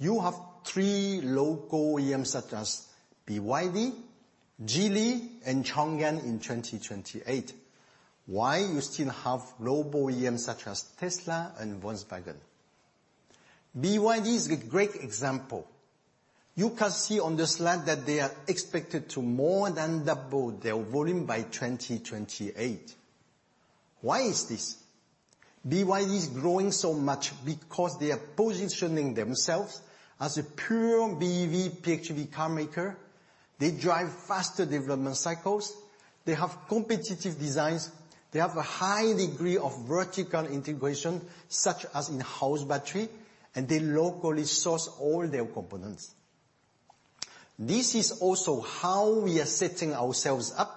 Speaker 4: you have three local OEMs, such as BYD, Geely, and Changan in 2028. Why you still have global OEMs such as Tesla and Volkswagen? BYD is a great example. You can see on the slide that they are expected to more than double their volume by 2028. Why is this? BYD is growing so much because they are positioning themselves as a pure BEV, PHEV carmaker. They drive faster development cycles, they have competitive designs, they have a high degree of vertical integration, such as in-house battery, and they locally source all their components. This is also how we are setting ourselves up,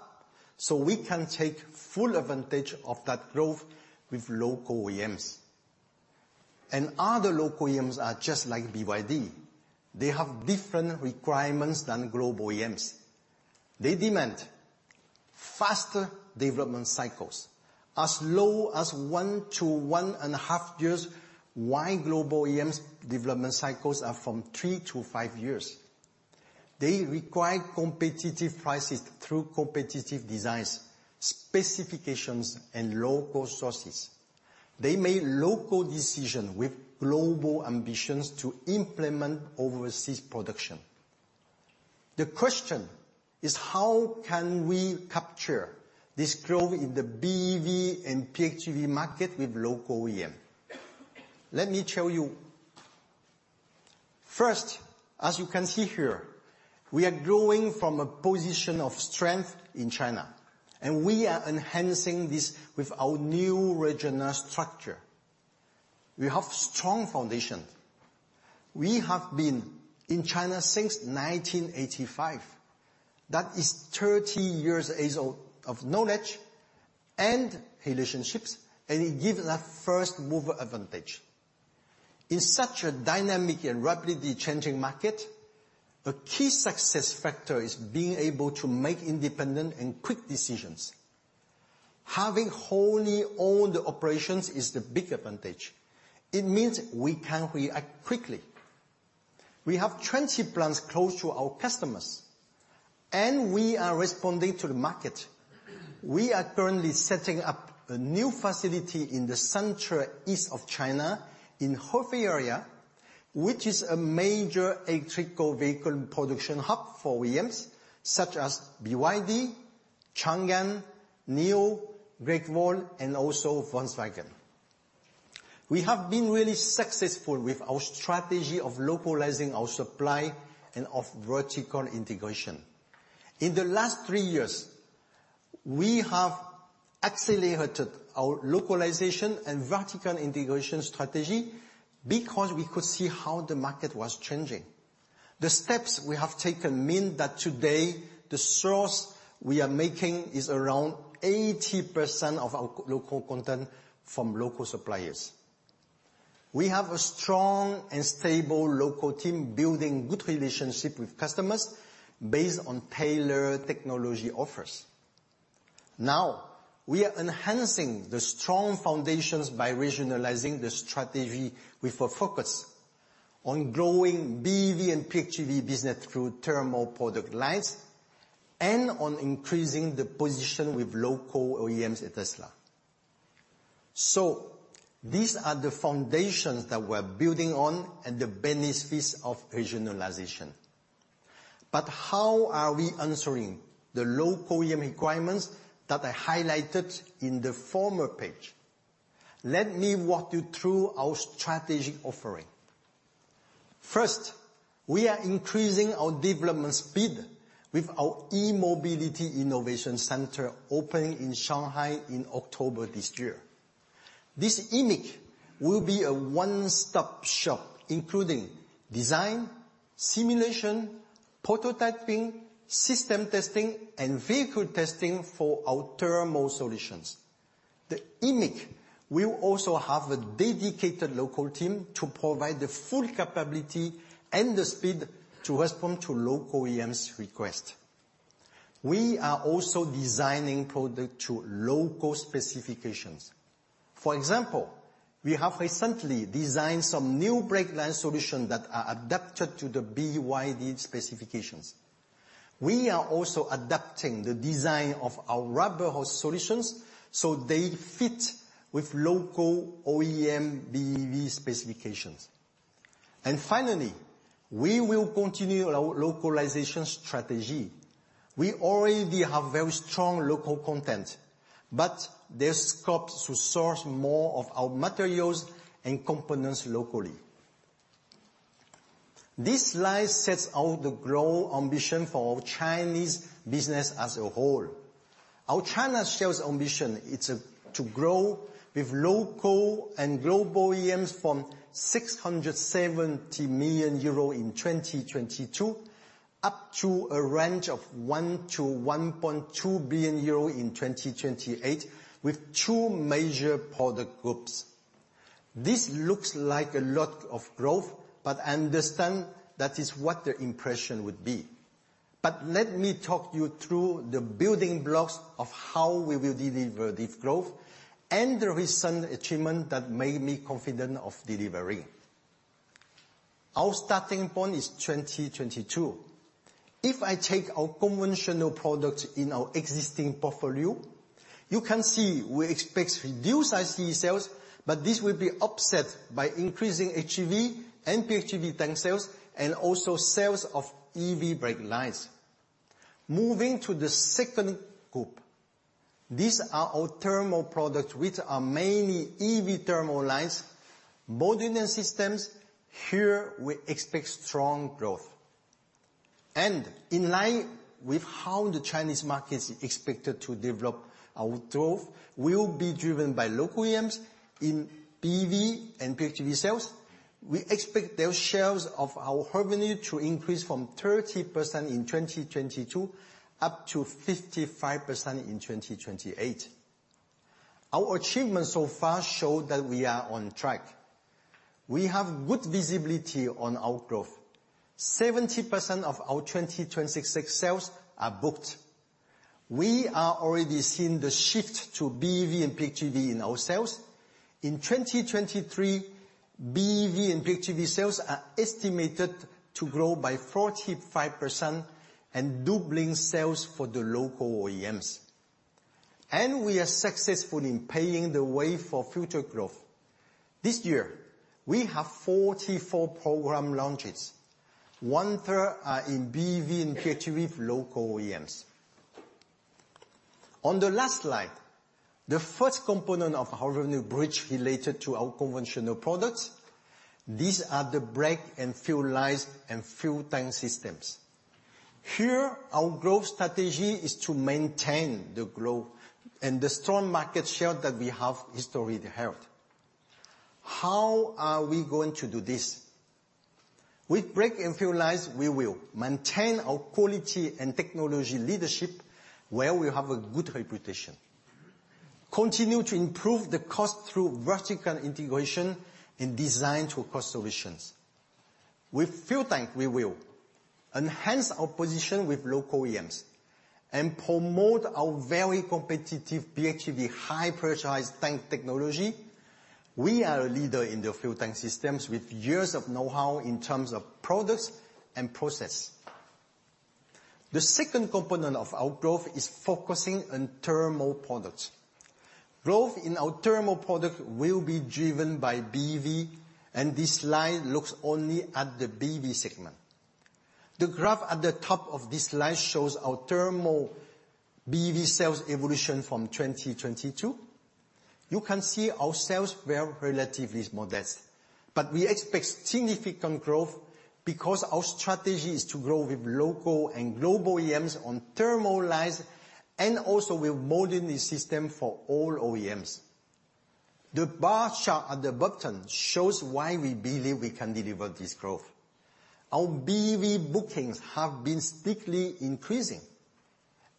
Speaker 4: so we can take full advantage of that growth with local OEMs. And other local OEMs are just like BYD. They have different requirements than global OEMs. They demand faster development cycles, as low as one to 1.5 years, while global OEMs development cycles are from three to five years. They require competitive prices through competitive designs, specifications, and local sources. They make local decision with global ambitions to implement overseas production. The question is: How can we capture this growth in the BEV and PHEV market with local OEM? Let me tell you. First, as you can see here, we are growing from a position of strength in China, and we are enhancing this with our new regional structure. We have strong foundation. We have been in China since 1985. That is 30 years age-old of knowledge and relationships, and it gives us first mover advantage. In such a dynamic and rapidly changing market, a key success factor is being able to make independent and quick decisions. Having wholly owned operations is the big advantage. It means we can react quickly. We have 20 plants close to our customers, and we are responding to the market. We are currently setting up a new facility in the central east of China, in Hefei area, which is a major electric vehicle production hub for OEMs, such as BYD, Changan, Nio, Great Wall, and also Volkswagen. We have been really successful with our strategy of localizing our supply and of vertical integration. In the last three years, we have accelerated our localization and vertical integration strategy because we could see how the market was changing. The steps we have taken mean that today, the sourcing we are making is around 80% of our local content from local suppliers. We have a strong and stable local team, building good relationship with customers, based on tailored technology offers. Now, we are enhancing the strong foundations by regionalizing the strategy with a focus on growing BEV and PHEV business through thermal product lines, and on increasing the position with local OEMs and Tesla. So these are the foundations that we're building on and the benefits of regionalization. But how are we answering the local OEM requirements that I highlighted in the former page? Let me walk you through our strategic offering. First, we are increasing our development speed with our E-Mobility Innovation Center opening in Shanghai in October this year. This eMIC will be a one-stop shop, including design, simulation, prototyping, system testing, and vehicle testing for our thermal solutions. The eMIC will also have a dedicated local team to provide the full capability and the speed to respond to local OEMs' requests. We are also designing products to local specifications. For example, we have recently designed some new brake line solutions that are adapted to the BYD specifications. We are also adapting the design of our rubber hose solutions, so they fit with local OEM BEV specifications. And finally, we will continue our localization strategy. We already have very strong local content, but there's scope to source more of our materials and components locally. This slide sets out the growth ambition for our Chinese business as a whole. Our China sales ambition, it's to grow with local and global OEMs from 670 million euro in 2022, up to a range of 1 billion-1.2 billion euro in 2028, with two major product groups. This looks like a lot of growth, but I understand that is what the impression would be. But let me talk you through the building blocks of how we will deliver this growth and the recent achievement that made me confident of delivering. Our starting point is 2022. If I take our conventional products in our existing portfolio, you can see we expect reduced ICE sales, but this will be offset by increasing HEV and PHEV tank sales, and also sales of EV brake lines. Moving to the second group, these are our thermal products, which are mainly EV thermal lines, modular systems. Here, we expect strong growth. In line with how the Chinese market is expected to develop, our growth will be driven by local OEMs in BEV and PHEV sales. We expect their shares of our revenue to increase from 30% in 2022, up to 55% in 2028. Our achievements so far show that we are on track. We have good visibility on our growth. 70% of our 2026 sales are booked. We are already seeing the shift to BEV and PHEV in our sales. In 2023, BEV and PHEV sales are estimated to grow by 45% and doubling sales for the local OEMs. We are successful in paving the way for future growth. This year, we have 44 program launches. One-third are in BEV and PHEV local OEMs. On the last slide, the first component of our revenue bridge related to our conventional products, these are the brake and fuel lines and fuel tank systems. Here, our growth strategy is to maintain the growth and the strong market share that we have historically held. How are we going to do this? With brake and fuel lines, we will maintain our quality and technology leadership, where we have a good reputation, continue to improve the cost through vertical integration and design to cost solutions. With fuel tank, we will enhance our position with local OEMs and promote our very competitive PHEV high-pressurized tank technology. We are a leader in the fuel tank systems, with years of know-how in terms of products and process. The second component of our growth is focusing on thermal products. Growth in our thermal product will be driven by and this slide looks only at the BEV segment. The graph at the top of this slide shows our thermal BEV sales evolution from 2022. You can see our sales were relatively modest, but we expect significant growth because our strategy is to grow with local and global OEMs on thermal lines and also with modular system for all OEMs. The bar chart at the bottom shows why we believe we can deliver this growth. Our BEV bookings have been strictly increasing,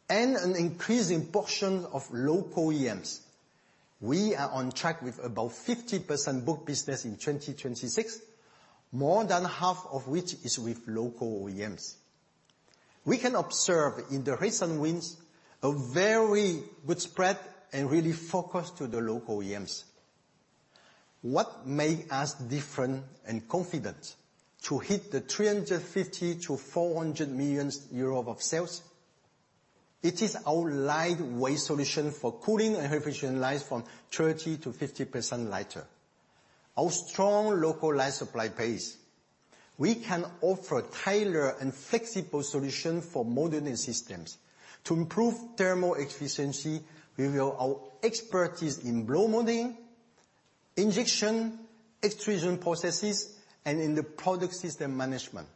Speaker 4: and an increasing portion of local OEMs. We are on track with about 50% book business in 2026, more than half of which is with local OEMs. We can observe in the recent wins, a very good spread and really focus to the local OEMs. What makes us different and confident to hit the 350 million-400 million euros of sales? It is our lightweight solution for cooling and refrigeration lines from 30%-50% lighter. Our strong local line supply base. We can offer tailored and flexible solution for modular systems. To improve thermal efficiency with our expertise in blow molding, injection, extrusion processes, and in the product system management.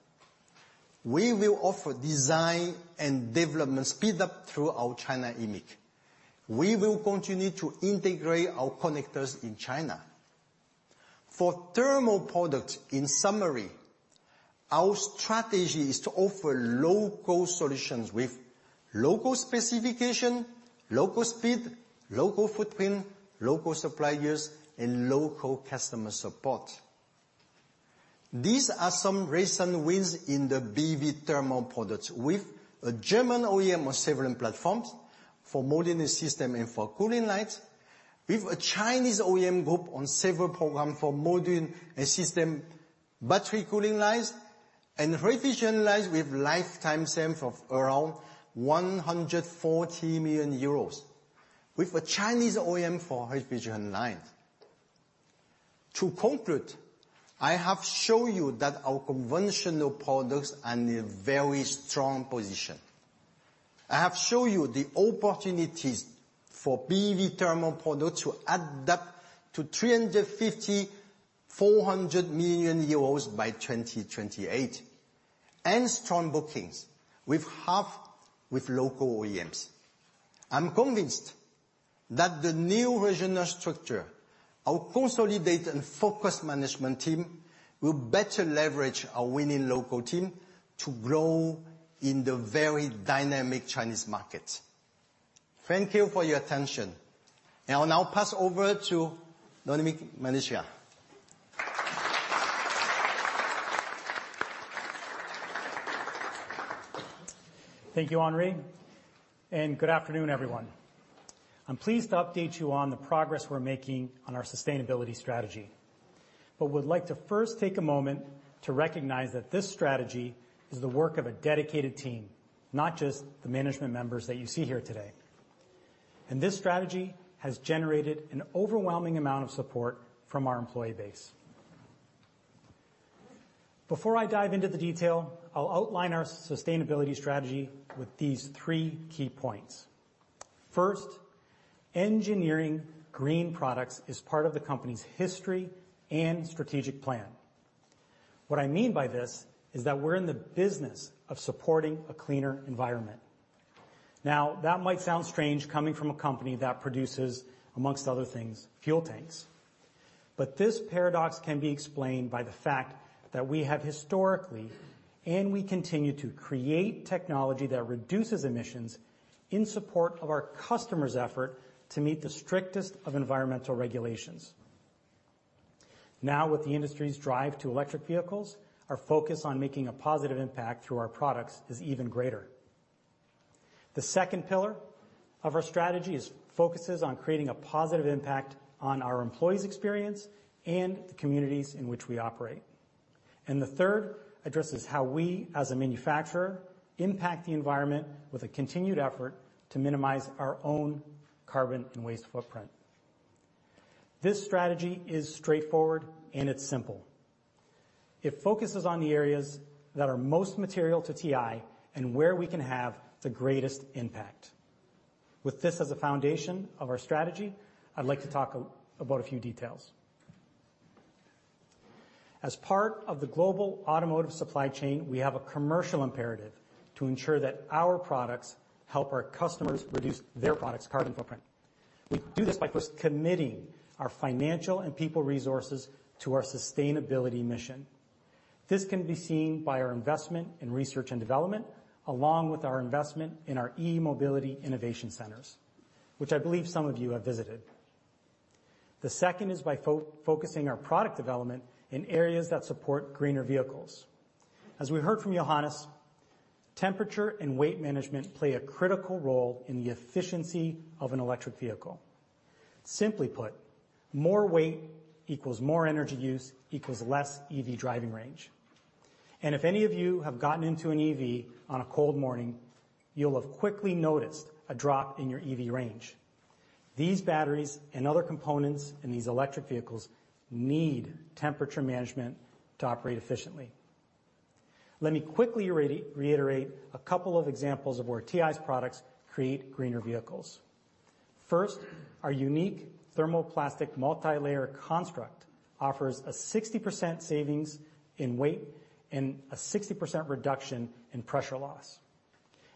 Speaker 4: We will offer design and development speed up through our China eMIC. We will continue to integrate our connectors in China. For thermal products, in summary, our strategy is to offer local solutions with local specification, local speed, local footprint, local suppliers, and local customer support. These are some recent wins in the BEV thermal products with a German OEM on several platforms for modular system and for cooling lines. With a Chinese OEM group on several programs for module and system battery cooling lines, and refrigeration lines with lifetime sales of around 140 million euros, with a Chinese OEM for refrigeration lines. To conclude, I have shown you that our conventional products are in a very strong position. I have shown you the opportunities for BEV thermal products to add up to 350 million-400 million euros by 2028, and strong bookings with half with local OEMs. I'm convinced that the new regional structure, our consolidated and focused management team, will better leverage our winning local team to grow in the very dynamic Chinese market. Thank you for your attention. I will now pass over to Domenic Milicia.
Speaker 5: Thank you, Henri, and good afternoon, everyone. I'm pleased to update you on the progress we're making on our sustainability strategy. But I would like to first take a moment to recognize that this strategy is the work of a dedicated team, not just the management members that you see here today. This strategy has generated an overwhelming amount of support from our employee base. Before I dive into the detail, I'll outline our sustainability strategy with these three key points. First, engineering green products is part of the company's history and strategic plan. What I mean by this is that we're in the business of supporting a cleaner environment. Now, that might sound strange coming from a company that produces, among other things, fuel tanks. But this paradox can be explained by the fact that we have historically, and we continue to, create technology that reduces emissions in support of our customers' effort to meet the strictest of environmental regulations. Now, with the industry's drive to electric vehicles, our focus on making a positive impact through our products is even greater. The second pillar of our strategy focuses on creating a positive impact on our employees' experience and the communities in which we operate. And the third addresses how we, as a manufacturer, impact the environment with a continued effort to minimize our own carbon and waste footprint. This strategy is straightforward, and it's simple. It focuses on the areas that are most material to TI and where we can have the greatest impact. With this as a foundation of our strategy, I'd like to talk about a few details. As part of the global automotive supply chain, we have a commercial imperative to ensure that our products help our customers reduce their product's carbon footprint. We do this by committing our financial and people resources to our sustainability mission. This can be seen by our investment in research and development, along with our investment in our e-Mobility Innovation Centers, which I believe some of you have visited. The second is by focusing our product development in areas that support greener vehicles. As we heard from Johannes, temperature and weight management play a critical role in the efficiency of an electric vehicle. Simply put, more weight equals more energy use, equals less EV driving range. And if any of you have gotten into an EV on a cold morning, you'll have quickly noticed a drop in your EV range. These batteries and other components in these electric vehicles need temperature management to operate efficiently. Let me quickly reiterate a couple of examples of where TI's products create greener vehicles. First, our unique thermoplastic multilayer construct offers a 60% savings in weight and a 60% reduction in pressure loss.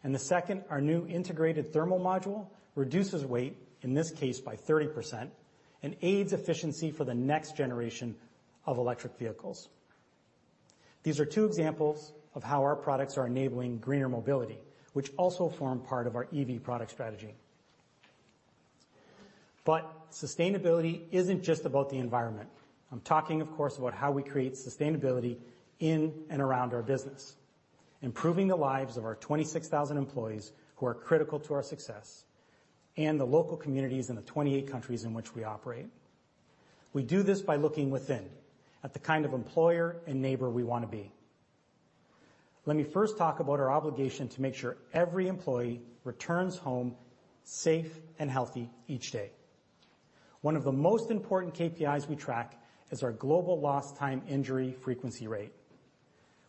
Speaker 5: The second, our new integrated thermal module reduces weight, in this case, by 30%, and aids efficiency for the next generation of electric vehicles. These are two examples of how our products are enabling greener mobility, which also form part of our EV product strategy. But sustainability isn't just about the environment. I'm talking, of course, about how we create sustainability in and around our business, improving the lives of our 26,000 employees who are critical to our success and the local communities in the 28 countries in which we operate. We do this by looking within, at the kind of employer and neighbor we want to be. Let me first talk about our obligation to make sure every employee returns home safe and healthy each day. One of the most important KPIs we track is our global lost time injury frequency rate,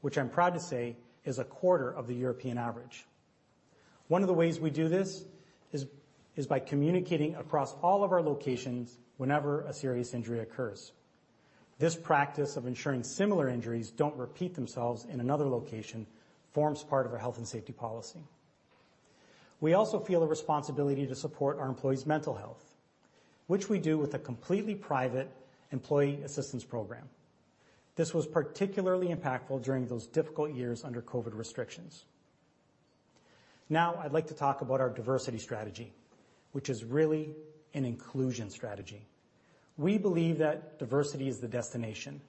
Speaker 5: which I'm proud to say is a quarter of the European average. One of the ways we do this is by communicating across all of our locations whenever a serious injury occurs. This practice of ensuring similar injuries don't repeat themselves in another location forms part of our health and safety policy. We also feel a responsibility to support our employees' mental health, which we do with a completely private employee assistance program. This was particularly impactful during those difficult years under COVID restrictions. Now, I'd like to talk about our diversity strategy, which is really an inclusion strategy. We believe that diversity is the destination,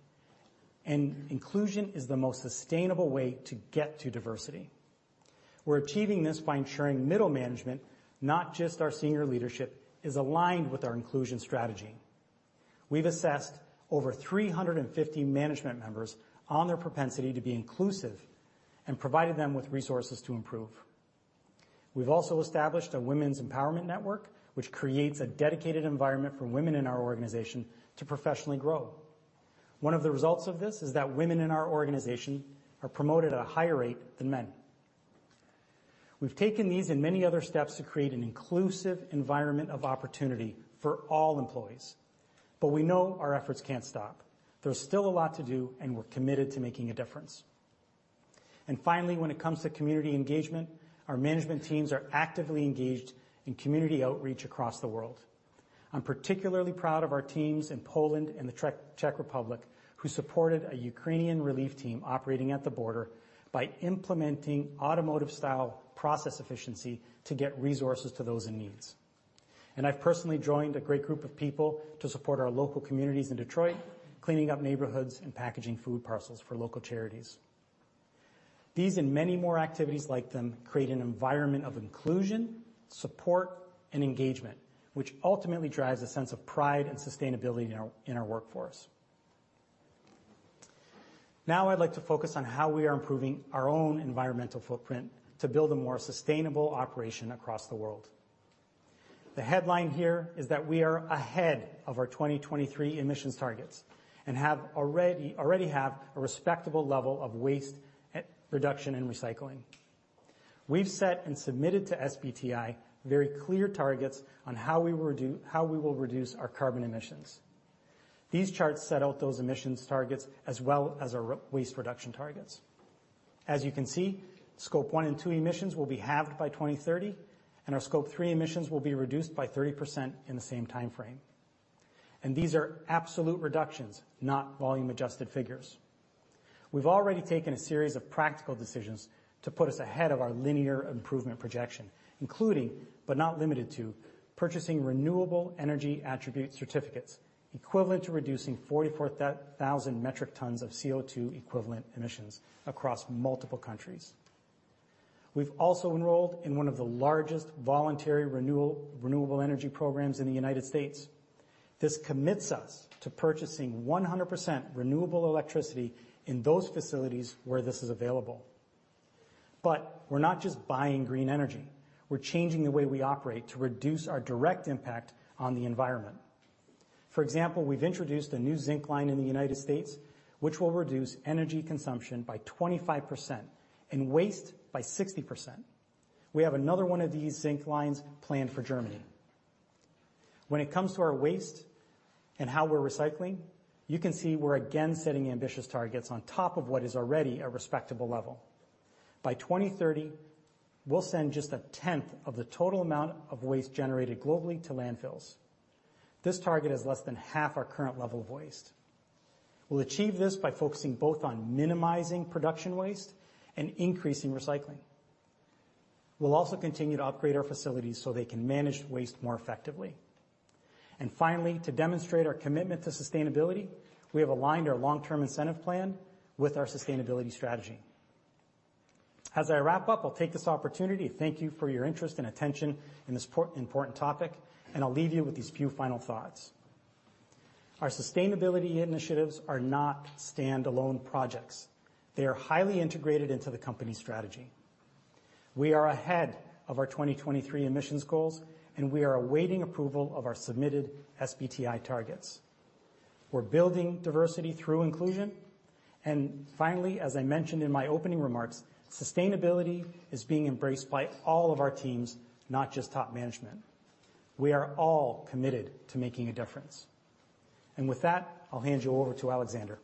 Speaker 5: and inclusion is the most sustainable way to get to diversity. We're achieving this by ensuring middle management, not just our senior leadership, is aligned with our inclusion strategy. We've assessed over 350 management members on their propensity to be inclusive and provided them with resources to improve. We've also established a women's empowerment network, which creates a dedicated environment for women in our organization to professionally grow. One of the results of this is that women in our organization are promoted at a higher rate than men. We've taken these and many other steps to create an inclusive environment of opportunity for all employees, but we know our efforts can't stop. There's still a lot to do, and we're committed to making a difference. Finally, when it comes to community engagement, our management teams are actively engaged in community outreach across the world. I'm particularly proud of our teams in Poland and the Czech Republic, who supported a Ukrainian relief team operating at the border by implementing automotive-style process efficiency to get resources to those in need. And I've personally joined a great group of people to support our local communities in Detroit, cleaning up neighborhoods and packaging food parcels for local charities. These and many more activities like them create an environment of inclusion, support, and engagement, which ultimately drives a sense of pride and sustainability in our workforce. Now, I'd like to focus on how we are improving our own environmental footprint to build a more sustainable operation across the world. The headline here is that we are ahead of our 2023 emissions targets and have already a respectable level of waste reduction and recycling. We've set and submitted to SBTi very clear targets on how we will reduce our carbon emissions. These charts set out those emissions targets as well as our waste reduction targets. As you can see, Scope 1 and 2 emissions will be halved by 2030, and our Scope 3 emissions will be reduced by 30% in the same time frame. And these are absolute reductions, not volume-adjusted figures. We've already taken a series of practical decisions to put us ahead of our linear improvement projection, including, but not limited to, purchasing renewable energy attribute certificates, equivalent to reducing 44,000 metric tons of CO2 equivalent emissions across multiple countries. We've also enrolled in one of the largest voluntary renewal, renewable energy programs in the United States. This commits us to purchasing 100% renewable electricity in those facilities where this is available. But we're not just buying green energy, we're changing the way we operate to reduce our direct impact on the environment. For example, we've introduced a new zinc line in the United States, which will reduce energy consumption by 25% and waste by 60%. We have another one of these zinc lines planned for Germany. When it comes to our waste and how we're recycling, you can see we're again setting ambitious targets on top of what is already a respectable level. By 2030, we'll send just 1/10 of the total amount of waste generated globally to landfills. This target is less than half our current level of waste. We'll achieve this by focusing both on minimizing production waste and increasing recycling. We'll also continue to upgrade our facilities so they can manage waste more effectively. And finally, to demonstrate our commitment to sustainability, we have aligned our long-term incentive plan with our sustainability strategy. As I wrap up, I'll take this opportunity to thank you for your interest and attention in this important topic, and I'll leave you with these few final thoughts. Our sustainability initiatives are not standalone projects. They are highly integrated into the company strategy. We are ahead of our 2023 emissions goals, and we are awaiting approval of our submitted SBTi targets. We're building diversity through inclusion, and finally, as I mentioned in my opening remarks, sustainability is being embraced by all of our teams, not just top management. We are all committed to making a difference. With that, I'll hand you over to Alexander.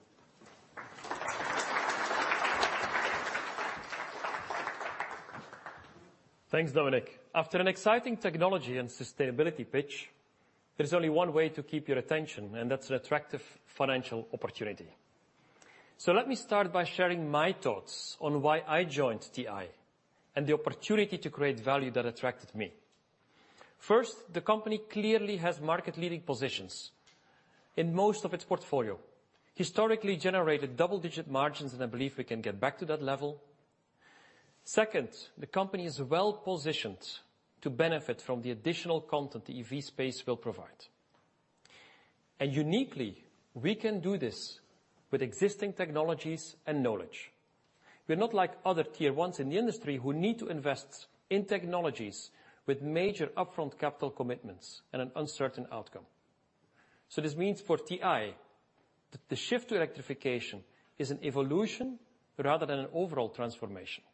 Speaker 6: Thanks, Dominic. After an exciting technology and sustainability pitch, there is only one way to keep your attention, and that's an attractive financial opportunity. So let me start by sharing my thoughts on why I joined TI, and the opportunity to create value that attracted me. First, the company clearly has market-leading positions in most of its portfolio, historically generated double-digit margins, and I believe we can get back to that level. Second, the company is well-positioned to benefit from the additional content the EV space will provide. And uniquely, we can do this with existing technologies and knowledge. We're not like other Tier 1s in the industry, who need to invest in technologies with major upfront capital commitments and an uncertain outcome. So this means for TI, the shift to electrification is an evolution rather than an overall transformation.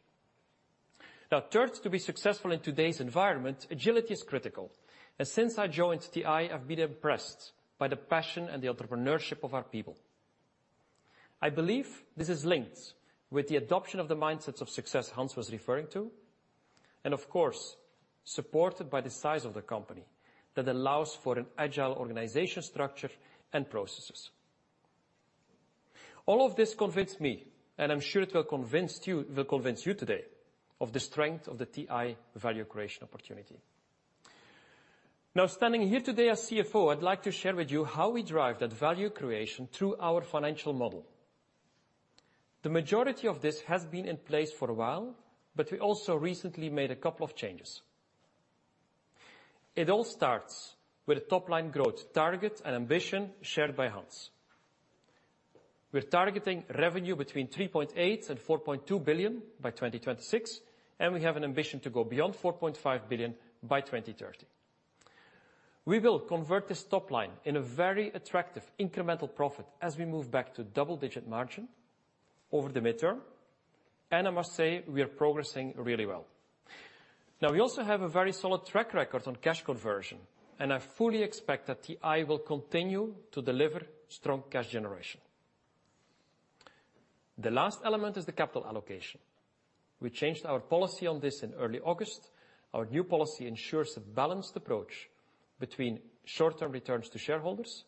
Speaker 6: Now, third, to be successful in today's environment, agility is critical. Since I joined TI, I've been impressed by the passion and the entrepreneurship of our people. I believe this is linked with the adoption of the mindsets of success Hans was referring to, and of course, supported by the size of the company, that allows for an agile organizational structure and processes. All of this convinced me, and I'm sure it will convince you, will convince you today, of the strength of the TI value creation opportunity. Now, standing here today as CFO, I'd like to share with you how we drive that value creation through our financial model. The majority of this has been in place for a while, but we also recently made a couple of changes. It all starts with a top-line growth target and ambition shared by Hans. We're targeting revenue between 3.8 billion and 4.2 billion by 2026, and we have an ambition to go beyond 4.5 billion by 2030. We will convert this top line in a very attractive incremental profit as we move back to double-digit margin over the midterm, and I must say, we are progressing really well. Now, we also have a very solid track record on cash conversion, and I fully expect that TI will continue to deliver strong cash generation. The last element is the capital allocation. We changed our policy on this in early August. Our new policy ensures a balanced approach between short-term returns to shareholders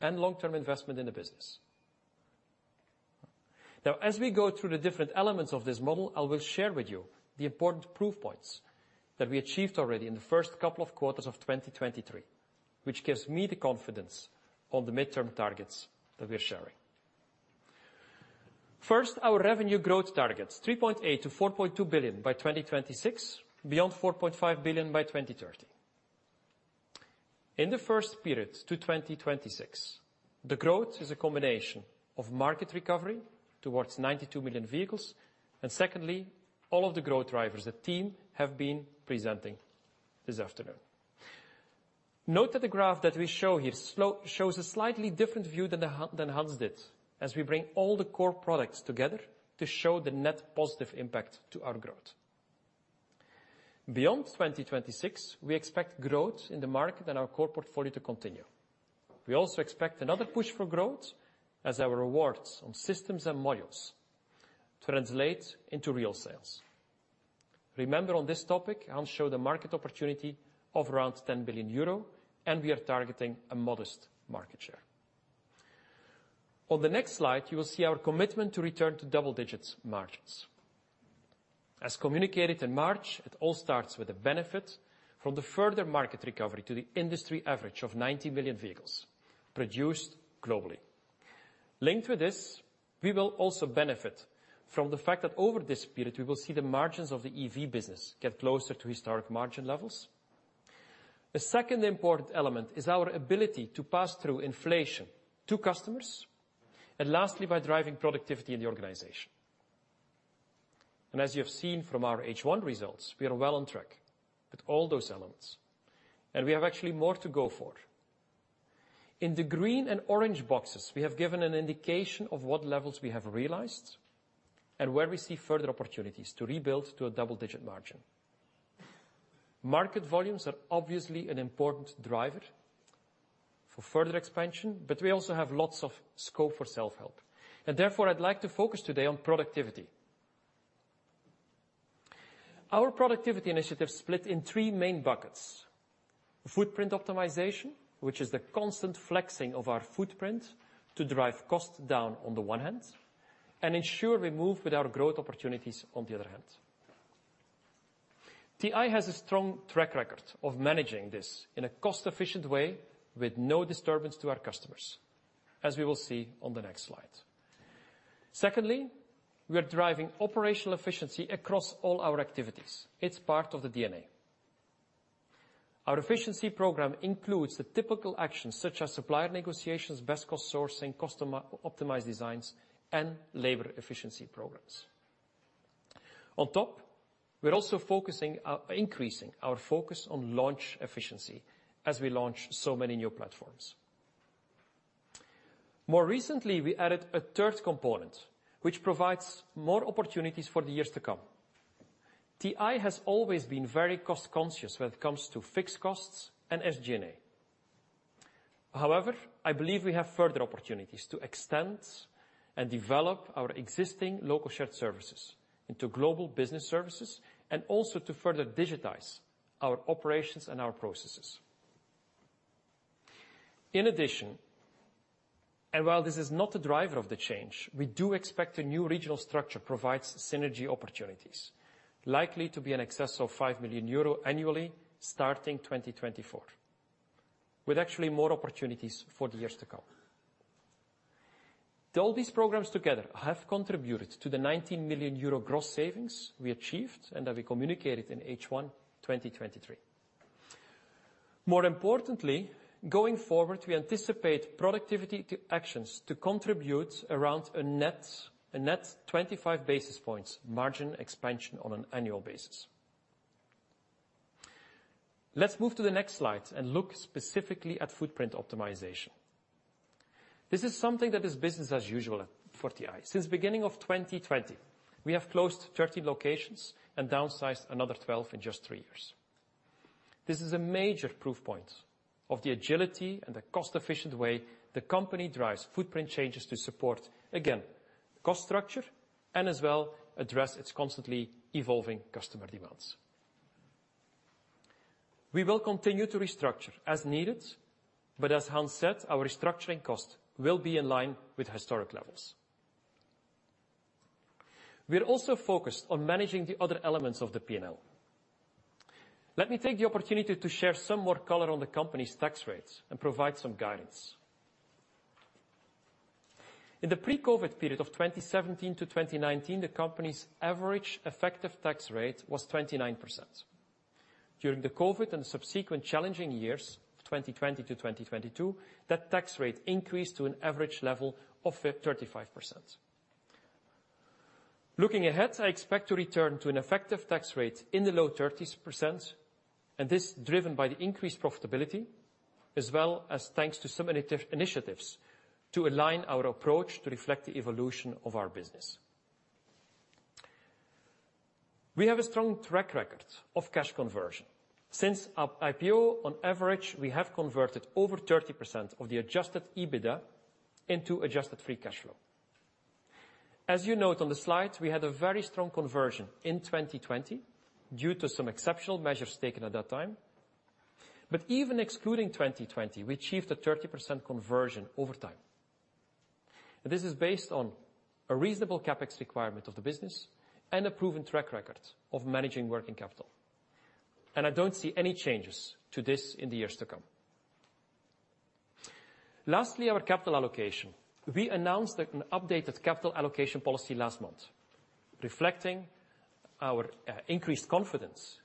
Speaker 6: and long-term investment in the business. Now, as we go through the different elements of this model, I will share with you the important proof points that we achieved already in the first couple of quarters of 2023, which gives me the confidence on the midterm targets that we're sharing. First, our revenue growth targets, 3.8 billion-4.2 billion by 2026, beyond 4.5 billion by 2030. In the first period to 2026, the growth is a combination of market recovery towards 92 million vehicles, and secondly, all of the growth drivers the team have been presenting this afternoon. Note that the graph that we show here shows a slightly different view than Hans did, as we bring all the core products together to show the net positive impact to our growth. Beyond 2026, we expect growth in the market and our core portfolio to continue. We also expect another push for growth as our rewards on systems and modules translate into real sales. Remember on this topic, Hans showed a market opportunity of around 10 billion euro, and we are targeting a modest market share. On the next slide, you will see our commitment to return to double-digit margins. As communicated in March, it all starts with a benefit from the further market recovery to the industry average of 90 million vehicles produced globally. Linked with this, we will also benefit from the fact that over this period, we will see the margins of the EV business get closer to historic margin levels. The second important element is our ability to pass through inflation to customers, and lastly, by driving productivity in the organization. As you have seen from our H1 results, we are well on track with all those elements, and we have actually more to go for. In the green and orange boxes, we have given an indication of what levels we have realized and where we see further opportunities to rebuild to a double-digit margin. Market volumes are obviously an important driver for further expansion, but we also have lots of scope for self-help. And therefore, I'd like to focus today on productivity. Our productivity initiatives split in three main buckets: footprint optimization, which is the constant flexing of our footprint to drive costs down on the one hand and ensure we move with our growth opportunities on the other hand. TI has a strong track record of managing this in a cost-efficient way with no disturbance to our customers, as we will see on the next slide. Secondly, we are driving operational efficiency across all our activities. It's part of the DNA. Our efficiency program includes the typical actions such as supplier negotiations, best cost sourcing, customer optimized designs, and labor efficiency programs. On top, we're also increasing our focus on launch efficiency as we launch so many new platforms. More recently, we added a third component, which provides more opportunities for the years to come. TI has always been very cost conscious when it comes to fixed costs and SG&A. However, I believe we have further opportunities to extend and develop our existing local shared services into global business services and also to further digitize our operations and our processes. In addition, and while this is not a driver of the change, we do expect a new regional structure provides synergy opportunities, likely to be in excess of 5 million euro annually, starting 2024, with actually more opportunities for the years to come. All these programs together have contributed to the 19 million euro gross savings we achieved and that we communicated in H1 2023. More importantly, going forward, we anticipate productivity to actions to contribute around a net 25 basis points margin expansion on an annual basis. Let's move to the next slide and look specifically at footprint optimization. This is something that is business as usual for TI. Since beginning of 2020, we have closed 13 locations and downsized another 12 in just three years. This is a major proof point of the agility and the cost-efficient way the company drives footprint changes to support, again, cost structure and as well address its constantly evolving customer demands. We will continue to restructure as needed, but as Hans said, our restructuring cost will be in line with historic levels. We are also focused on managing the other elements of the P&L. Let me take the opportunity to share some more color on the company's tax rates and provide some guidance. In the pre-COVID period of 2017–2019, the company's average effective tax rate was 29%. During the COVID and subsequent challenging years, 2020–2022, that tax rate increased to an average level of 35%. Looking ahead, I expect to return to an effective tax rate in the low 30%, and this driven by the increased profitability, as well as thanks to some initiatives to align our approach to reflect the evolution of our business. We have a strong track record of cash conversion. Since our IPO, on average, we have converted over 30% of the adjusted EBITDA into adjusted free cash flow. As you note on the slide, we had a very strong conversion in 2020 due to some exceptional measures taken at that time. Even excluding 2020, we achieved a 30% conversion over time. This is based on a reasonable CapEx requirement of the business and a proven track record of managing working capital, and I don't see any changes to this in the years to come. Lastly, our capital allocation. We announced that an updated capital allocation policy last month, reflecting our increased confidence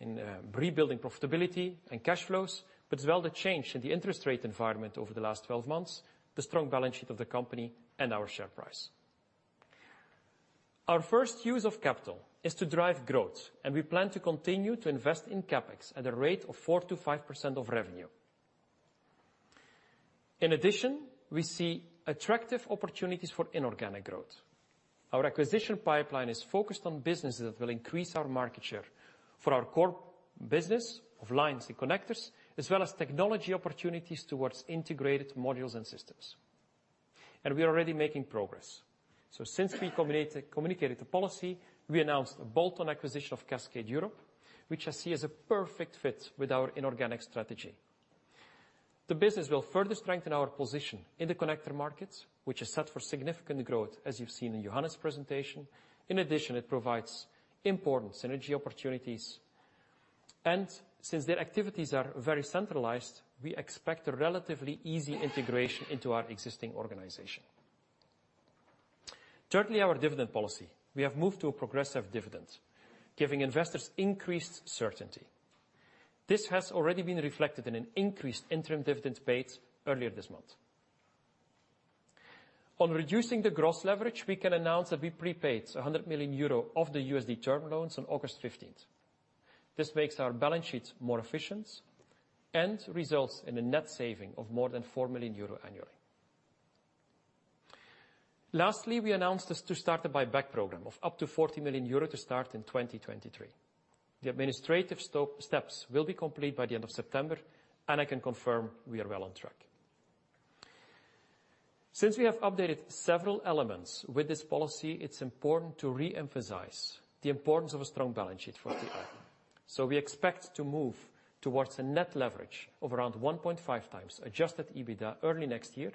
Speaker 6: in rebuilding profitability and cash flows, but as well, the change in the interest rate environment over the last 12 months, the strong balance sheet of the company, and our share price. Our first use of capital is to drive growth, and we plan to continue to invest in CapEx at a rate of 4%-5% of revenue. In addition, we see attractive opportunities for inorganic growth. Our acquisition pipeline is focused on businesses that will increase our market share for our core business of lines and connectors, as well as technology opportunities towards integrated modules and systems. We are already making progress. Since we communicated the policy, we announced a bolt-on acquisition of Cascade Europe, which I see as a perfect fit with our inorganic strategy. The business will further strengthen our position in the connector markets, which is set for significant growth, as you've seen in Johannes' presentation. In addition, it provides important synergy opportunities, and since their activities are very centralized, we expect a relatively easy integration into our existing organization. Thirdly, our dividend policy. We have moved to a progressive dividend, giving investors increased certainty. This has already been reflected in an increased interim dividend paid earlier this month. On reducing the gross leverage, we can announce that we prepaid 100 million euro of the USD term loans on August 15th. This makes our balance sheet more efficient and results in a net saving of more than 4 million euro annually. Lastly, we announced this to start a buyback program of up to 40 million euro to start in 2023. The administrative steps will be complete by the end of September, and I can confirm we are well on track. Since we have updated several elements with this policy, it's important to reemphasize the importance of a strong balance sheet for TI. So we expect to move towards a net leverage of around 1.5x adjusted EBITDA early next year,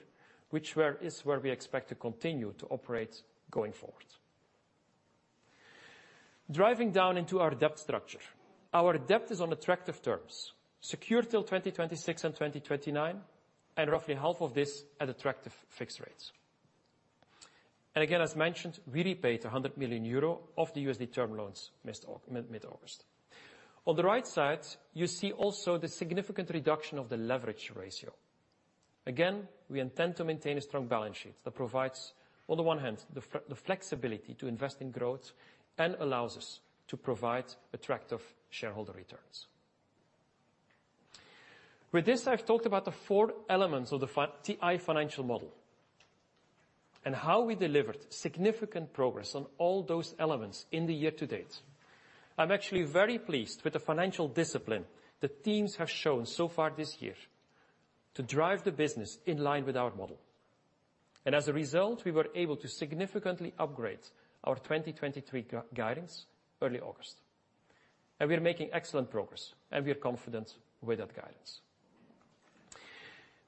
Speaker 6: is where we expect to continue to operate going forward. Driving down into our debt structure. Our debt is on attractive terms, secure till 2026 and 2029, and roughly half of this at attractive fixed rates. And again, as mentioned, we repaid 100 million euro of the USD term loans mid-August. On the right side, you see also the significant reduction of the leverage ratio. Again, we intend to maintain a strong balance sheet that provides, on the one hand, the flexibility to invest in growth and allows us to provide attractive shareholder returns. With this, I've talked about the four elements of the TI financial model and how we delivered significant progress on all those elements in the year to date. I'm actually very pleased with the financial discipline the teams have shown so far this year to drive the business in line with our model, and as a result, we were able to significantly upgrade our 2023 guidance early August, and we are making excellent progress, and we are confident with that guidance.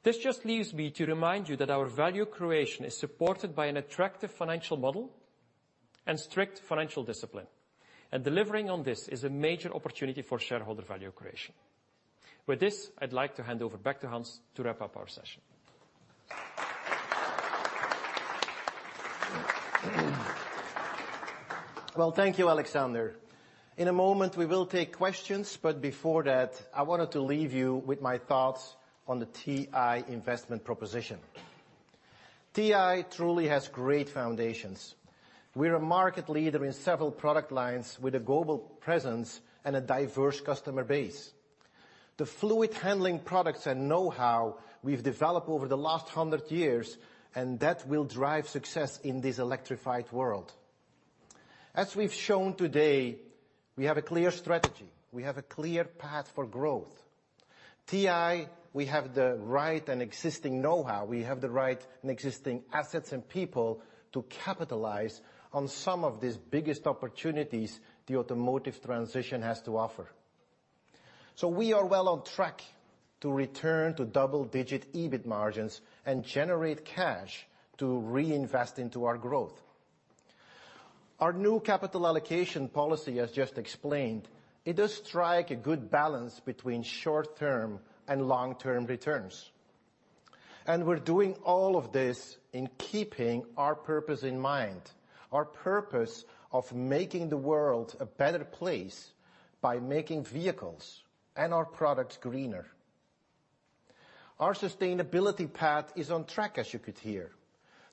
Speaker 6: This just leaves me to remind you that our value creation is supported by an attractive financial model and strict financial discipline, and delivering on this is a major opportunity for shareholder value creation. With this, I'd like to hand over back to Hans to wrap up our session.
Speaker 2: Well, thank you, Alexander. In a moment, we will take questions, but before that, I wanted to leave you with my thoughts on the TI investment proposition. TI truly has great foundations. We're a market leader in several product lines with a global presence and a diverse customer base. The fluid handling products and know-how we've developed over the last 100 years, and that will drive success in this electrified world. As we've shown today, we have a clear strategy. We have a clear path for growth. TI, we have the right and existing know-how. We have the right and existing assets and people to capitalize on some of these biggest opportunities the automotive transition has to offer. So we are well on track to return to double-digit EBIT margins and generate cash to reinvest into our growth. Our new capital allocation policy, as just explained, it does strike a good balance between short-term and long-term returns, and we're doing all of this in keeping our purpose in mind, our purpose of making the world a better place by making vehicles and our products greener. Our sustainability path is on track, as you could hear.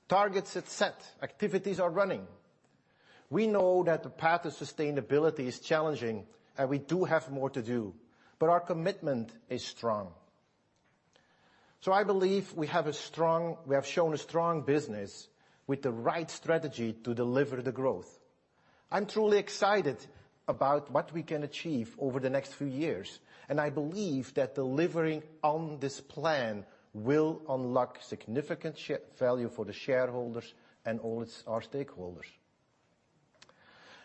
Speaker 2: Targets are set, activities are running. We know that the path to sustainability is challenging, and we do have more to do, but our commitment is strong. So I believe we have a strong—we have shown a strong business with the right strategy to deliver the growth. I'm truly excited about what we can achieve over the next few years, and I believe that delivering on this plan will unlock significant shareholder value for the shareholders and all our stakeholders.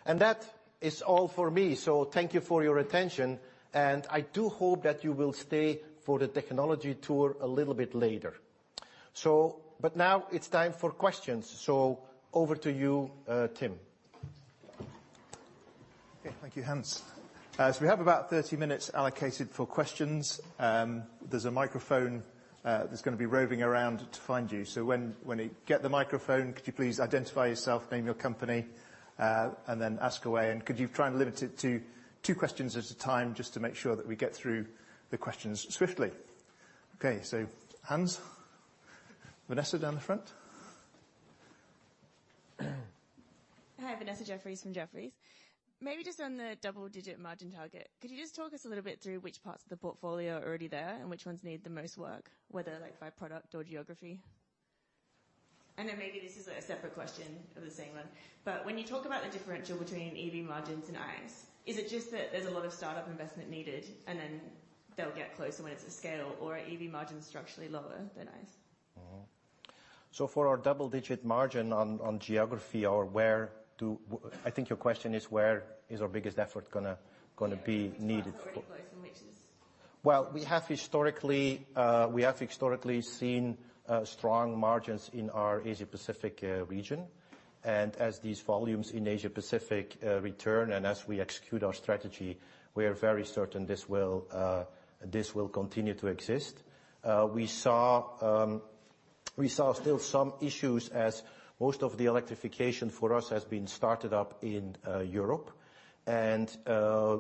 Speaker 2: That is all for me, so thank you for your attention, and I do hope that you will stay for the technology tour a little bit later. So but now it's time for questions. So over to you, Tim.
Speaker 7: Okay, thank you, Hans. So we have about 30 minutes allocated for questions. There's a microphone that's gonna be roving around to find you. So when you get the microphone, could you please identify yourself, name your company, and then ask away? And could you try and limit it to two questions at a time, just to make sure that we get through the questions swiftly. Okay, so Hans, Vanessa, down the front.
Speaker 8: Hi, Vanessa Jeffries from Jefferies. Maybe just on the double-digit margin target, could you just talk us a little bit through which parts of the portfolio are already there and which ones need the most work, whether like by product or geography? I know maybe this is a separate question or the same one, but when you talk about the differential between EV margins and ICE, is it just that there's a lot of start-up investment needed, and then they'll get closer when it's at scale, or are EV margins structurally lower than ICE?
Speaker 2: Mm-hmm. So for our double-digit margin on geography or, I think your question is, where is our biggest effort gonna be needed?
Speaker 8: Yeah, which parts are already close, and which is.
Speaker 2: Well, we have historically, we have historically seen strong margins in our Asia Pacific region, and as these volumes in Asia Pacific return and as we execute our strategy, we are very certain this will, this will continue to exist. We saw, we saw still some issues as most of the electrification for us has been started up in Europe, and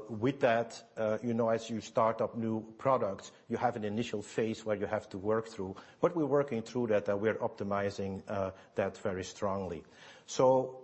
Speaker 2: with that, you know, as you start up new products, you have an initial phase where you have to work through. But we're working through that, and we're optimizing that very strongly. So,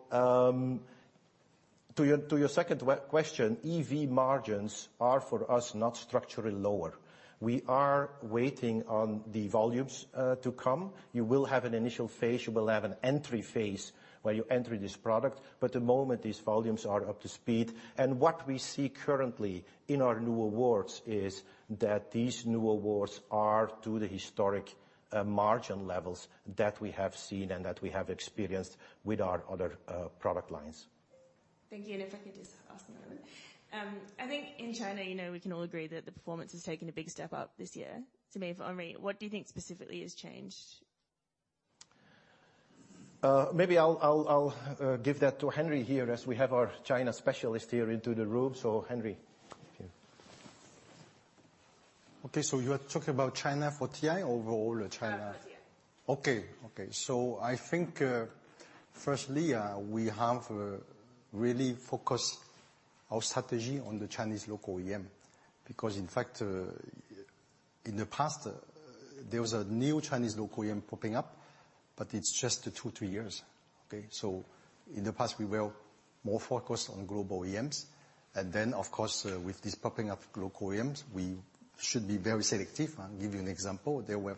Speaker 2: to your second question, EV margins are, for us, not structurally lower. We are waiting on the volumes to come. You will have an initial phase. You will have an entry phase where you enter this product, but the moment these volumes are up to speed, and what we see currently in our new awards is that these new awards are to the historic margin levels that we have seen and that we have experienced with our other product lines.
Speaker 8: Thank you, and if I could just ask another. I think in China, you know, we can all agree that the performance has taken a big step up this year. To me, for Henri, what do you think specifically has changed?
Speaker 2: Maybe I'll give that to Henri here, as we have our China specialist here in the room. So Henri, okay.
Speaker 4: Okay, so you are talking about China for TI or overall China?
Speaker 8: For TI.
Speaker 4: Okay. Okay. So I think, firstly, we have really focused our strategy on the Chinese local OEM. Because, in fact, in the past, there was a new Chinese local OEM popping up, but it's just two, three years. Okay? So in the past, we were more focused on global OEMs, and then, of course, with this popping up local OEMs, we should be very selective. I'll give you an example. There were,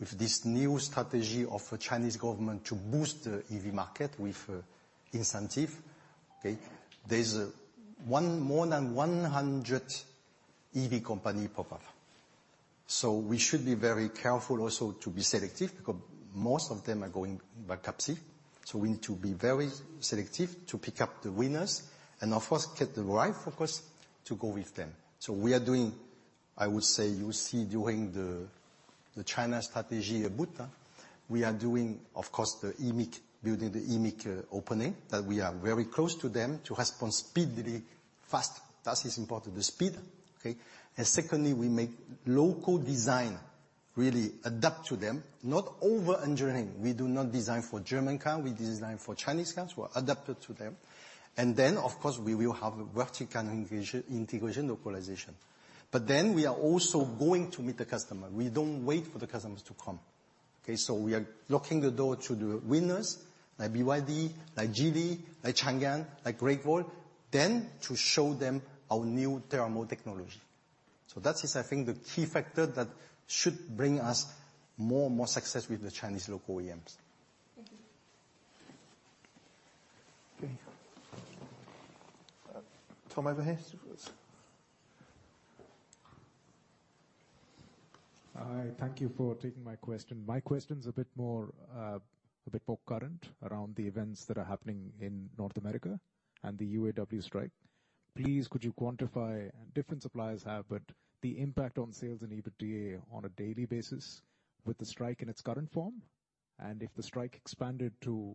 Speaker 4: with this new strategy of the Chinese government to boost the EV market with, incentive, okay, there's, more than 100 EV company pop up. So we should be very careful also to be selective, because most of them are going bankruptcy. So we need to be very selective to pick up the winners and, of course, get the right focus to go with them. So we are doing, I would say, you see, during the China strategy boot, we are doing, of course, the eMIC building, the eMIC opening, that we are very close to them to respond speedily fast. That is important, the speed, okay? And secondly, we make local design really adapt to them, not over-engineering. We do not design for German car, we design for Chinese cars, we adapt it to them. And then, of course, we will have a vertical integration localization. But then we are also going to meet the customer. We don't wait for the customers to come. Okay? So we are knocking the door to the winners, like BYD, like Geely, like Changan, like Great Wall, then to show them our new thermal technology. That is, I think, the key factor that should bring us more and more success with the Chinese local OEMs.
Speaker 8: Thank you.
Speaker 7: Okay. Tom, over here.
Speaker 9: Hi, thank you for taking my question. My question's a bit more, a bit more current around the events that are happening in North America and the UAW strike. Please, could you quantify, different suppliers have, but the impact on sales and EBITDA on a daily basis with the strike in its current form? And if the strike expanded to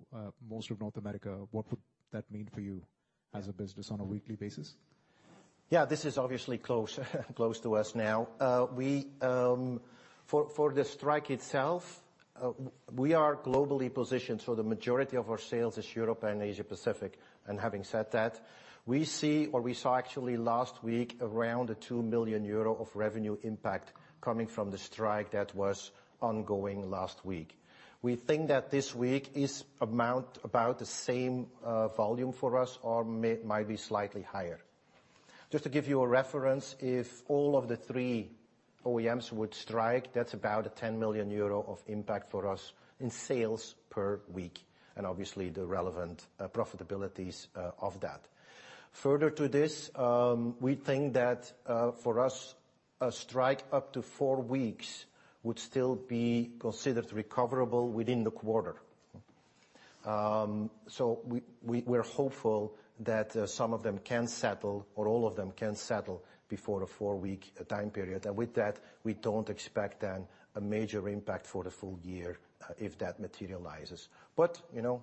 Speaker 9: most of North America, what would that mean for you as a business on a weekly basis?
Speaker 2: Yeah, this is obviously close to us now. We—for the strike itself, we are globally positioned, so the majority of our sales is Europe and Asia Pacific. And having said that, we see, or we saw actually last week, around 2 million euro of revenue impact coming from the strike that was ongoing last week. We think that this week is amount about the same, volume for us or might be slightly higher. Just to give you a reference, if all of the three OEMs would strike, that's about 10 million euro of impact for us in sales per week, and obviously, the relevant, profitabilities of that. Further to this, we think that, for us, a strike up to four weeks would still be considered recoverable within the quarter. So we're hopeful that some of them can settle, or all of them can settle before a four-week time period. And with that, we don't expect then a major impact for the full year, if that materializes. But, you know,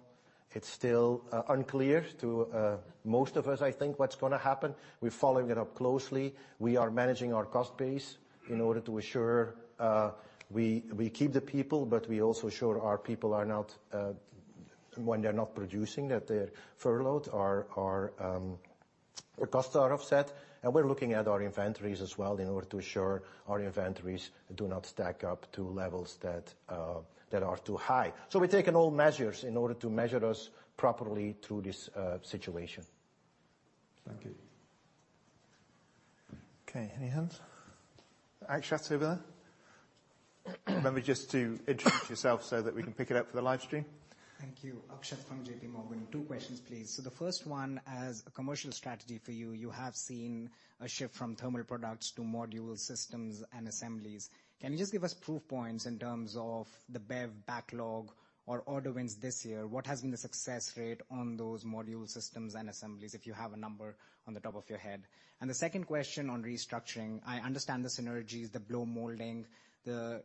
Speaker 2: it's still unclear to most of us, I think, what's gonna happen. We're following it up closely. We are managing our cost base in order to assure we keep the people, but we also ensure our people are not, when they're not producing, that their furloughed or, or their costs are offset. And we're looking at our inventories as well in order to ensure our inventories do not stack up to levels that are too high. So we're taking all measures in order to measure us properly through this situation.
Speaker 9: Thank you.
Speaker 7: Okay, any hands? Akshat, over there. Remember just to introduce yourself so that we can pick it up for the live stream.
Speaker 10: Thank you. Akshat from JP Morgan. Two questions, please. So the first one, as a commercial strategy for you, you have seen a shift from thermal products to module systems and assemblies. Can you just give us proof points in terms of the BEV backlog or order wins this year? What has been the success rate on those module systems and assemblies, if you have a number on the top of your head? And the second question on restructuring, I understand the synergies, the blow molding, the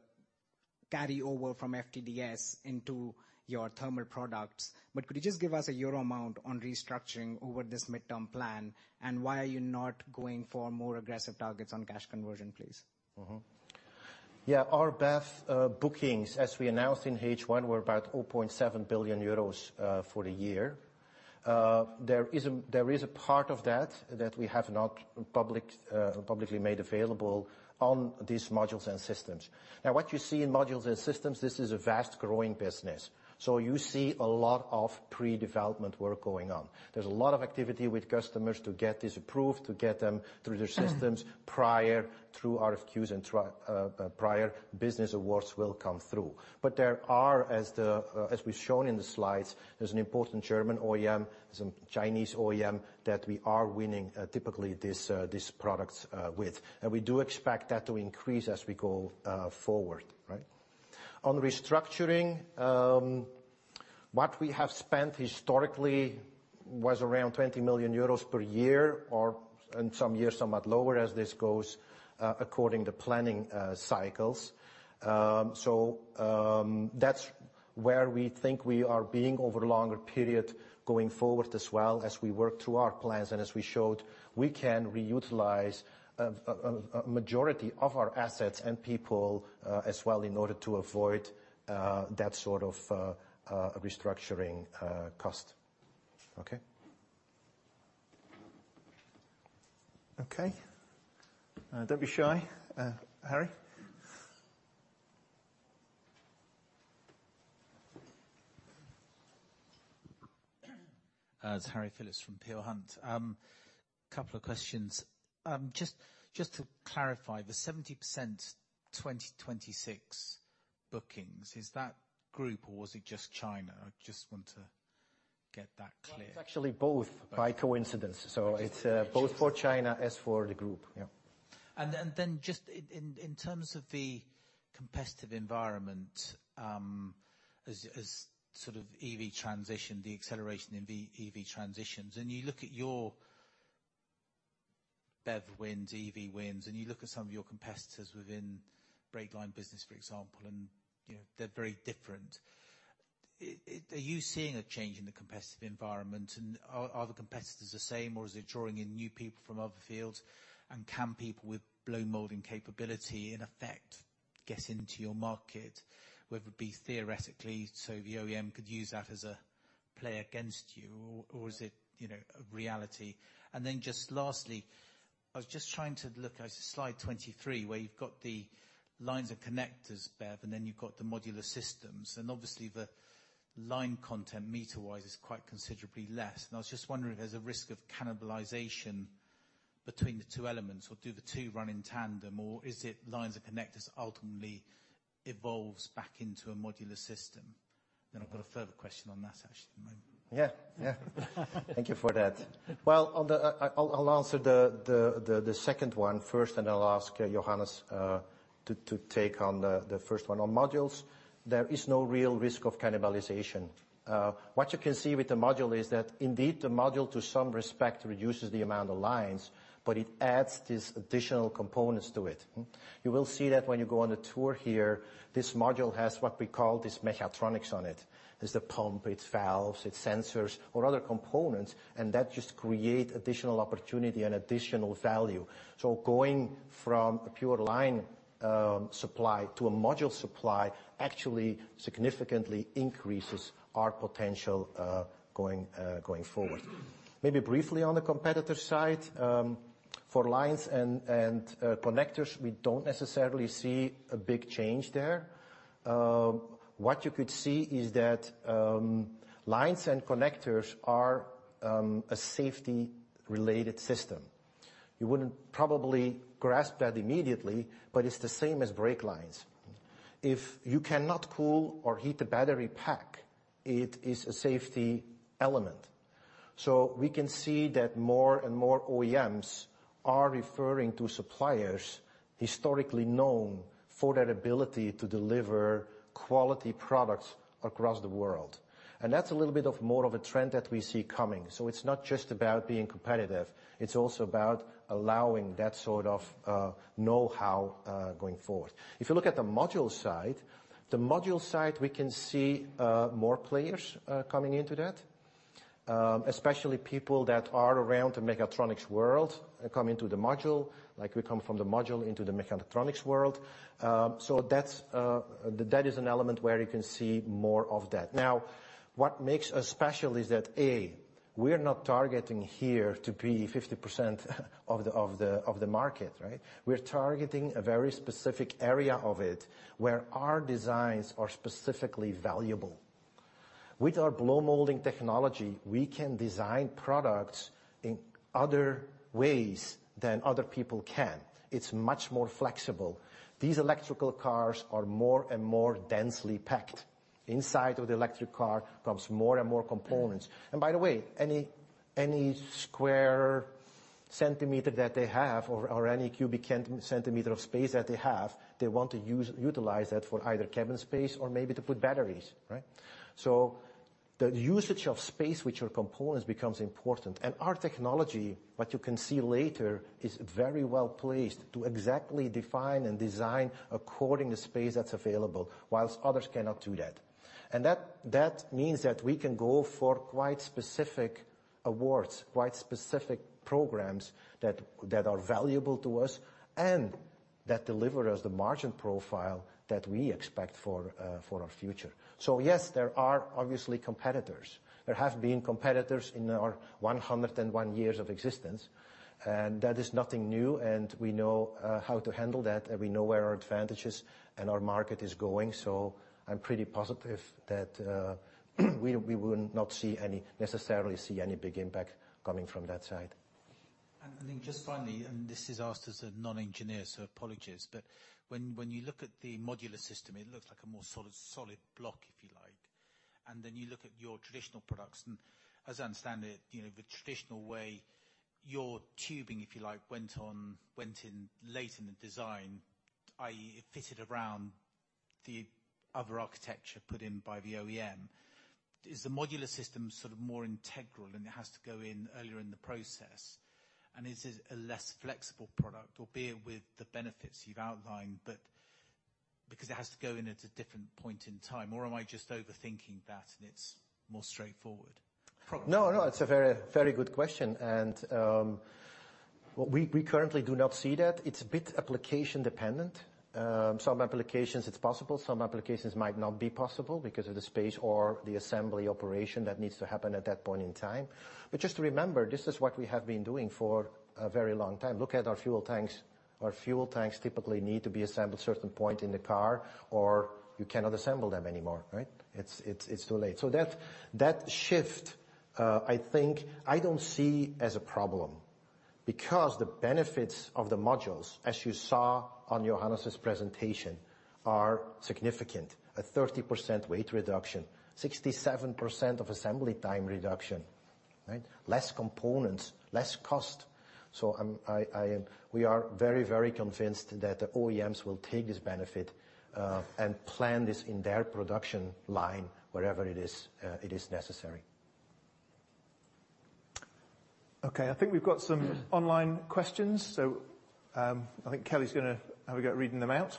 Speaker 10: carry over from FTDS into your thermal products. But could you just give us a euro amount on restructuring over this midterm plan? And why are you not going for more aggressive targets on cash conversion, please?
Speaker 2: Yeah, our BEV bookings, as we announced in H1, were about EUR 700 million for the year. There is a part of that that we have not publicly made available on these modules and systems. Now, what you see in modules and systems, this is a vast growing business. So you see a lot of pre-development work going on. There's a lot of activity with customers to get this approved, to get them through their systems prior through RFQs and through prior business awards will come through. But there are, as we've shown in the slides, there's an important German OEM, some Chinese OEM, that we are winning typically these products with. And we do expect that to increase as we go forward, right? On restructuring, what we have spent historically was around 20 million euros per year, or in some years, somewhat lower as this goes according to planning cycles. So, that's where we think we are being over longer period, going forward as well, as we work to plans, and as we showed we can re-utilize a majority of our assets and people as well, in order to avoid that sort of restructuring, cost.
Speaker 10: Okay.
Speaker 7: Okay, don't be shy, Harry.
Speaker 11: It's Harry Philips from Peel Hunt. Couple of questions. Just to clarify, the 70% 2026 bookings, is that group or was it just China? I just want to get that clear.
Speaker 2: Well, it's actually both. Both by coincidence, so it's both for China as for the group. Yeah.
Speaker 11: Then just in terms of the competitive environment, as sort of EV transition, the acceleration in the EV transitions, and you look at your BEV wins, EV wins, and you look at some of your competitors within brake line business, for example, and, you know, they're very different. Are you seeing a change in the competitive environment? And are the competitors the same, or is it drawing in new people from other fields? And can people with blow molding capability, in effect, get into your market, whether it be theoretically, so the OEM could use that as a play against you, or is it, you know, a reality? Then just lastly, I was just trying to look at slide 23, where you've got the lines and connectors, BEV, and then you've got the modular systems, and obviously, the line content, meter-wise, is quite considerably less. And I was just wondering if there's a risk of cannibalization between the two elements, or do the two run in tandem, or is it lines and connectors ultimately evolves back into a modular system? Then I've got a further question on that, actually, at the moment.
Speaker 2: Yeah, yeah. Thank you for that. Well, on the—I'll answer the second one first, and then I'll ask Johannes to take on the first one. On modules, there is no real risk of cannibalization. What you can see with the module is that indeed, the module, to some respect, reduces the amount of lines, but it adds these additional components to it. You will see that when you go on the tour here, this module has what we call this mechatronics on it. It's the pump, its valves, its sensors, or other components, and that just create additional opportunity and additional value. So going from a pure line supply to a module supply, actually significantly increases our potential going forward. Maybe briefly on the competitor side, for lines and connectors, we don't necessarily see a big change there. What you could see is that, lines and connectors are a safety-related system. You wouldn't probably grasp that immediately, but it's the same as brake lines. If you cannot cool or heat the battery pack, it is a safety element. So we can see that more and more OEMs are referring to suppliers historically known for their ability to deliver quality products across the world. And that's a little bit more of a trend that we see coming. So it's not just about being competitive, it's also about allowing that sort of know-how going forward. If you look at the module side, the module side, we can see more players coming into that, especially people that are around the mechatronics world come into the module, like we come from the module into the mechatronics world. So that's that is an element where you can see more of that. Now, what makes us special is that, A, we're not targeting here to be 50% of the, of the, of the market, right? We're targeting a very specific area of it, where our designs are specifically valuable. With our blow molding technology, we can design products in other ways than other people can. It's much more flexible. These electrical cars are more and more densely packed. Inside of the electric car comes more and more components. And by the way, any, any square centimeter that they have or any cubic centimeter of space that they have, they want to utilize that for either cabin space or maybe to put batteries, right? So the usage of space, with your components becomes important, and our technology, what you can see later, is very well placed to exactly define and design according to space that's available, whilst others cannot do that. And that, that means that we can go for quite specific awards, quite specific programs that are valuable to us and that deliver us the margin profile that we expect for our future. So yes, there are obviously competitors. There have been competitors in our 101 years of existence, and that is nothing new, and we know how to handle that, and we know where our advantages and our market is going. So I'm pretty positive that we will not necessarily see any big impact coming from that side.
Speaker 11: And then just finally, and this is asked as a non-engineer, so apologies, but when you look at the modular system, it looks like a more solid block, if you like, and then you look at your traditional products, and as I understand it, you know, the traditional way, your tubing, if you like, went in late in the design, i.e., it fitted around the other architecture put in by the OEM. Is the modular system sort of more integral, and it has to go in earlier in the process? And is it a less flexible product, albeit with the benefits you've outlined, but because it has to go in at a different point in time? Or am I just overthinking that, and it's more straightforward?
Speaker 2: No, no, it's a very good question, and, we currently do not see that. It's a bit application dependent. Some applications it's possible, some applications might not be possible because of the space or the assembly operation that needs to happen at that point in time. But just to remember, this is what we have been doing for a very long time. Look at our fuel tanks. Our fuel tanks typically need to be assembled certain point in the car, or you cannot assemble them anymore, right? It's too late. So that shift, I think I don't see as a problem because the benefits of the modules, as you saw on Johannes's presentation, are significant. A 30% weight reduction, 67% of assembly time reduction, right? Less components, less cost. We are very, very convinced that the OEMs will take this benefit and plan this in their production line, wherever it is necessary.
Speaker 7: Okay, I think we've got some online questions. I think Kellie’s gonna have a go at reading them out.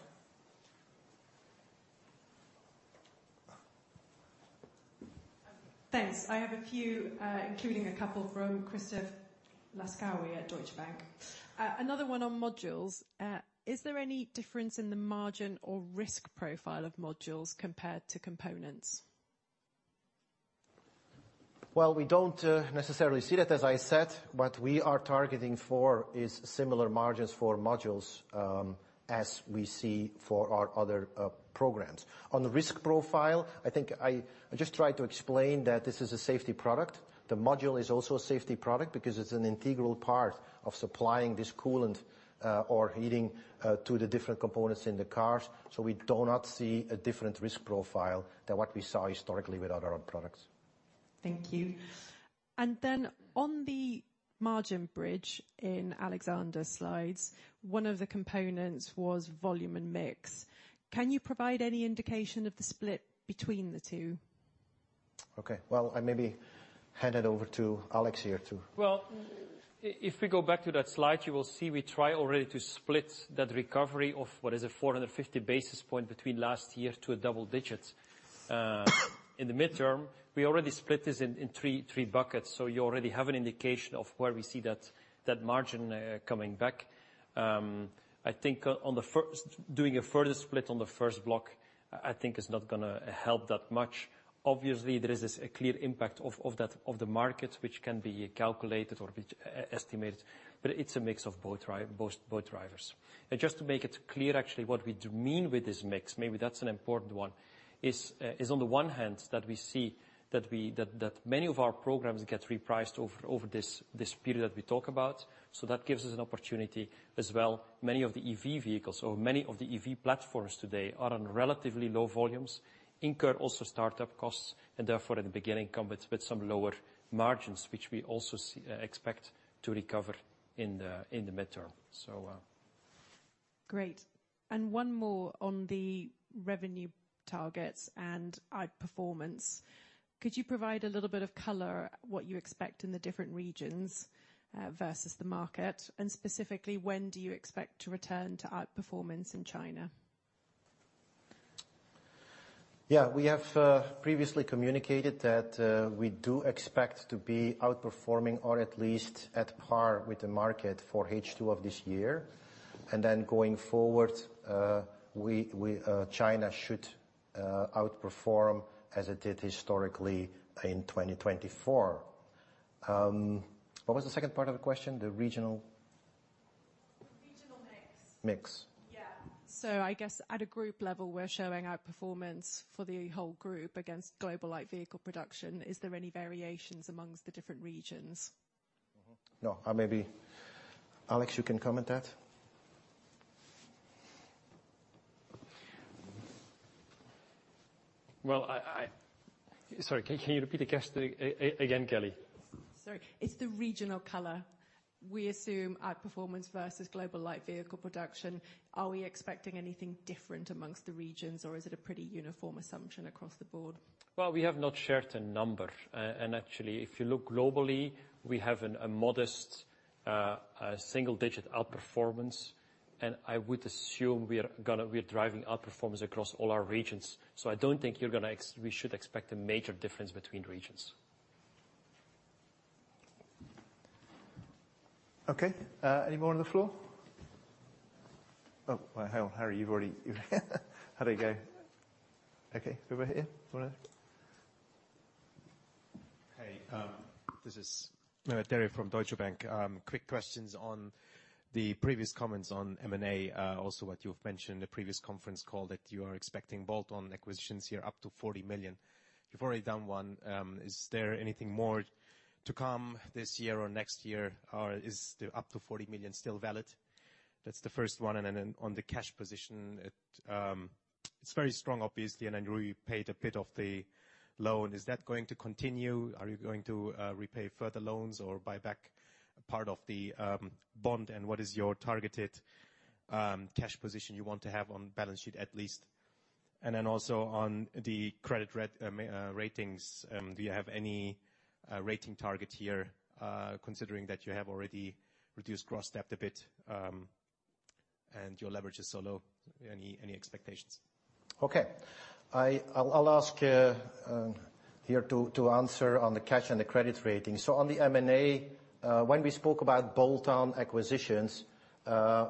Speaker 1: Thanks. I have a few, including a couple from Christoph Laskowski at Deutsche Bank. Another one on modules. Is there any difference in the margin or risk profile of modules compared to components?
Speaker 2: Well, we don't necessarily see that, as I said. What we are targeting for is similar margins for modules, as we see for our other programs. On the risk profile, I think I just tried to explain that this is a safety product. The module is also a safety product because it's an integral part of supplying this coolant or heating to the different components in the cars. So we do not see a different risk profile than what we saw historically with our other products.
Speaker 1: Thank you. Then on the margin bridge in Alexander's slides, one of the components was volume and mix. Can you provide any indication of the split between the two?
Speaker 2: Okay. Well, I maybe hand it over to Alex here, too.
Speaker 6: Well, if we go back to that slide, you will see we try already to split that recovery of what is a 450 basis point between last year to a double digits. In the midterm, we already split this in three buckets, so you already have an indication of where we see that margin coming back. I think on the first—doing a further split on the first block, I think is not gonna help that much. Obviously, there is a clear impact of that of the market, which can be calculated or which estimated, but it's a mix of both drivers. Just to make it clear, actually, what we mean with this mix, maybe that's an important one, is on the one hand, that we see that many of our programs get repriced over this period we talk about, so that gives us an opportunity as well. Many of the EV vehicles or many of the EV platforms today are on relatively low volumes, incur also start-up costs, and therefore, at the beginning, come with some lower margins, which we also see expect to recover in the midterm.
Speaker 1: Great. And one more on the revenue targets and outperformance. Could you provide a little bit of color what you expect in the different regions versus the market? And specifically, when do you expect to return to outperformance in China?
Speaker 2: Yeah, we have previously communicated that we do expect to be outperforming or at least at par with the market for H2 of this year. And then going forward, China should outperform as it did historically in 2024. What was the second part of the question? The regional?
Speaker 1: The regional mix.
Speaker 2: Mix.
Speaker 1: Yeah. So I guess at a group level, we're showing outperformance for the whole group against global light vehicle production. Is there any variations among the different regions?
Speaker 2: Mm-hmm. No, I maybe—Alex, you can comment that.
Speaker 6: Well, sorry, can you repeat the question again, Kellie?
Speaker 1: Sorry. It's the regional color. We assume outperformance versus global light vehicle production. Are we expecting anything different among the regions, or is it a pretty uniform assumption across the board?
Speaker 6: Well, we have not shared a number. Actually, if you look globally, we have a modest single-digit outperformance, and I would assume we are gonna—we are driving outperformance across all our regions. I don't think you're gonna ex—we should expect a major difference between regions.
Speaker 7: Okay, anyone on the floor? Oh, well, Harry, you've already... Have a go. Okay, over here. Want to?
Speaker 12: Hey, this is [Terry] from Deutsche Bank. Quick questions on the previous comments on M&A. Also, what you've mentioned the previous conference call, that you are expecting bolt-on acquisitions here, up to 40 million. You've already done one. Is there anything more to come this year or next year, or is the up to 40 million still valid? That's the first one, and then on the cash position, it's very strong, obviously, and I know you paid a bit of the loan. Is that going to continue? Are you going to repay further loans or buy back part of the bond, and what is your targeted cash position you want to have on balance sheet, at least? And then also on the credit ratings, do you have any rating target here, considering that you have already reduced gross debt a bit, and your leverage is so low? Any expectations?
Speaker 2: Okay. I'll ask here to answer on the cash and the credit rating. So on the M&A, when we spoke about bolt-on acquisitions,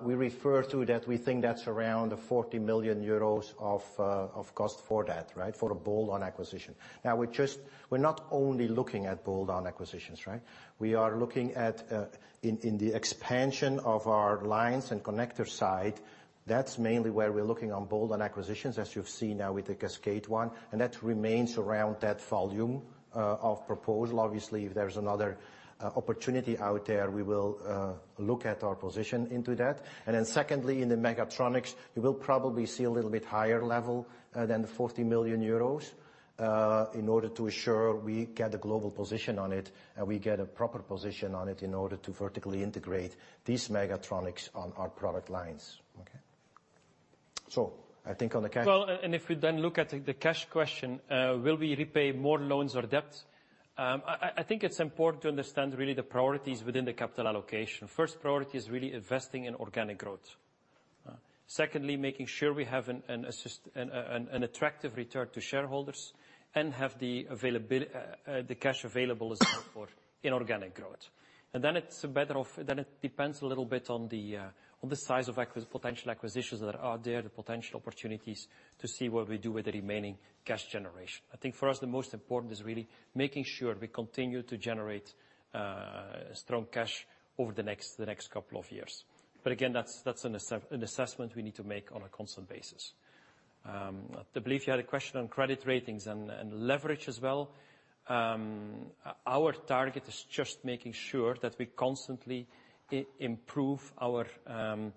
Speaker 2: we refer to that we think that's around 40 million euros of cost for that, right? For a bolt-on acquisition. Now, we're just—we're not only looking at bolt-on acquisitions, right? We are looking at—in the expansion of our lines and connector side, that's mainly where we're looking on bolt-on acquisitions, as you've seen now with the Cascade one, and that remains around that volume of proposal. Obviously, if there's another opportunity out there, we will look at our position into that. And then secondly, in the mechatronics, you will probably see a little bit higher level than the 40 million euros in order to ensure we get a global position on it, and we get a proper position on it in order to vertically integrate these mechatronics on our product lines. Okay? So I think on the cash.
Speaker 6: Well, and if we then look at the cash question, will we repay more loans or debt? I think it's important to understand really the priorities within the capital allocation. First priority is really investing in organic growth. Secondly, making sure we have an attractive return to shareholders and have the cash available as well for inorganic growth. Then it depends a little bit on the size of potential acquisitions that are out there, the potential opportunities to see what we do with the remaining cash generation. I think for us, the most important is really making sure we continue to generate strong cash over the next couple of years. But again, that's an assessment we need to make on a constant basis. I believe you had a question on credit ratings and leverage as well. Our target is just making sure that we constantly improve our—the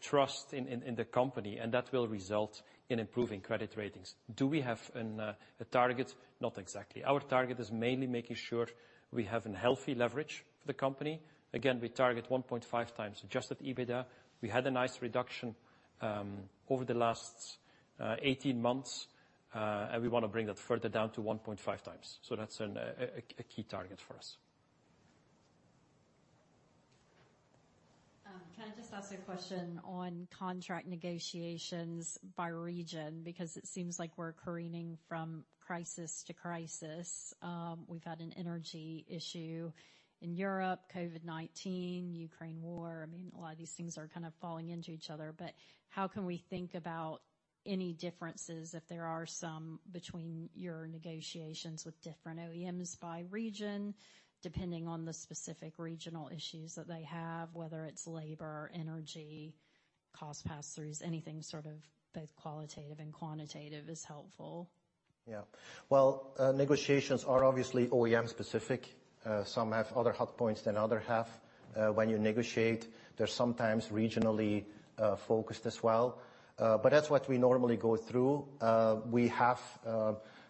Speaker 6: trust in the company, and that will result in improving credit ratings. Do we have a target? Not exactly. Our target is mainly making sure we have a healthy leverage for the company. Again, we target 1.5x adjusted EBITDA. We had a nice reduction over the last 18 months, and we want to bring that further down to 1.5x. So that's a key target for us.
Speaker 13: Can I just ask a question on contract negotiations by region? Because it seems like we're careening from crisis to crisis. We've had an energy issue in Europe, COVID-19, Ukraine war. I mean, a lot of these things are kind of falling into each other. But how can we think about any differences, if there are some, between your negotiations with different OEMs by region, depending on the specific regional issues that they have, whether it's labor, energy, cost pass-throughs, anything sort of both qualitative and quantitative is helpful.
Speaker 2: Yeah. Well, negotiations are obviously OEM specific. Some have other hot points than other have. When you negotiate, they're sometimes regionally focused as well, but that's what we normally go through. We have,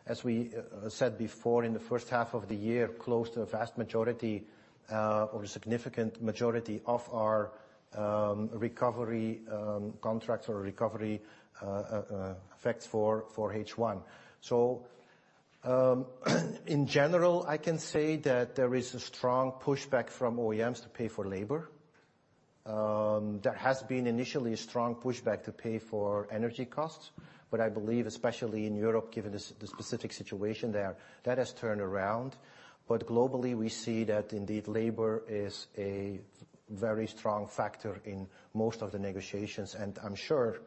Speaker 2: as we said before, in the first half of the year, close to a vast majority, or a significant majority of our recovery contracts or recovery effects for H1. So, in general, I can say that there is a strong pushback from OEMs to pay for labor. There has been initially a strong pushback to pay for energy costs, but I believe, especially in Europe, given the specific situation there, that has turned around. But globally, we see that indeed, labor is a very strong factor in most of the negotiations, and I'm sure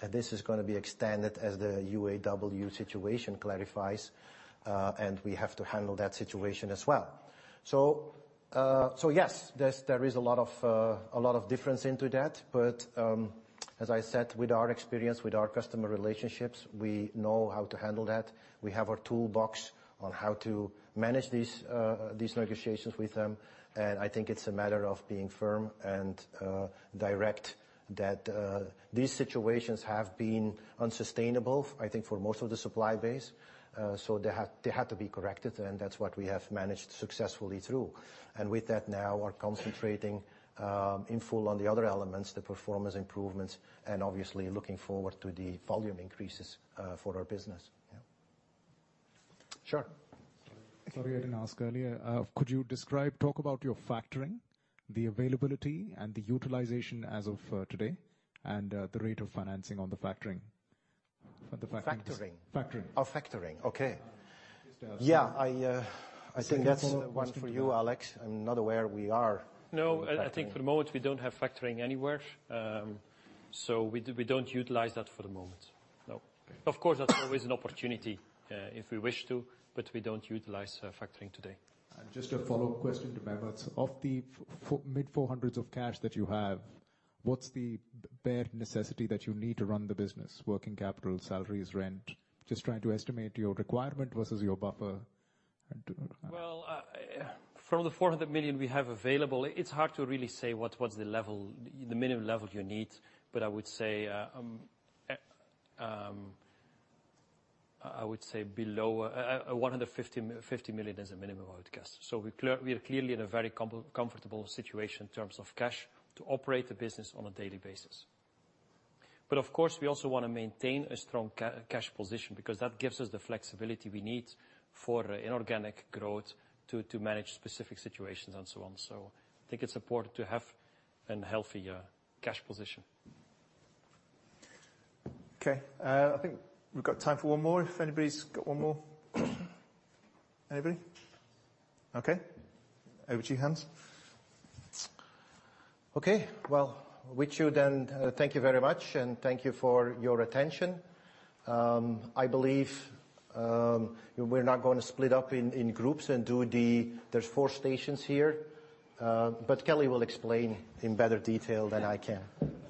Speaker 2: that this is gonna be extended as the UAW situation clarifies, and we have to handle that situation as well. So, yes, there is a lot of difference into that, but, as I said, with our experience, with our customer relationships, we know how to handle that. We have our toolbox on how to manage these negotiations with them, and I think it's a matter of being firm and direct, that these situations have been unsustainable, I think, for most of the supply base. So they had to be corrected, and that's what we have managed successfully through. And with that, now we're concentrating in full on the other elements, the performance improvements, and obviously looking forward to the volume increases for our business. Yeah. Sure.
Speaker 12: Sorry, I didn't ask earlier. Could you describe—talk about your factoring, the availability and the utilization as of today, and the rate of financing on the factoring? On the factoring.
Speaker 2: Factoring.
Speaker 12: Factoring.
Speaker 2: Oh, factoring. Okay.
Speaker 12: Just to have.
Speaker 2: Yeah, I think that's one for you, Alex. I'm not aware where we are.
Speaker 6: No, I think for the moment, we don't have factoring anywhere. So we don't utilize that for the moment. No.
Speaker 12: Okay.
Speaker 6: Of course, that's always an opportunity if we wish to, but we don't utilize factoring today.
Speaker 12: Just a follow-up question to [Mehmet]. Of the mid 400 of cash that you have, what's the bare necessity that you need to run the business? Working capital, salaries, rent? Just trying to estimate your requirement versus your buffer.
Speaker 6: Well, from the 400 million we have available, it's hard to really say what’s the level, the minimum level you need. But I would say below 150 million, 50 million is the minimum, I would guess. So we are clearly in a very comfortable situation in terms of cash to operate the business on a daily basis. But of course, we also want to maintain a strong cash position because that gives us the flexibility we need for inorganic growth, to manage specific situations and so on. So I think it's important to have a healthy cash position.
Speaker 7: Okay, I think we've got time for one more, if anybody's got one more. Anybody? Okay. Over to you, Hans.
Speaker 2: Okay, well, we should then thank you very much, and thank you for your attention. I believe we're now going to split up in groups and do the—there’s four stations here, but Kellie will explain in better detail than I can.
Speaker 1: I'll do the instruction.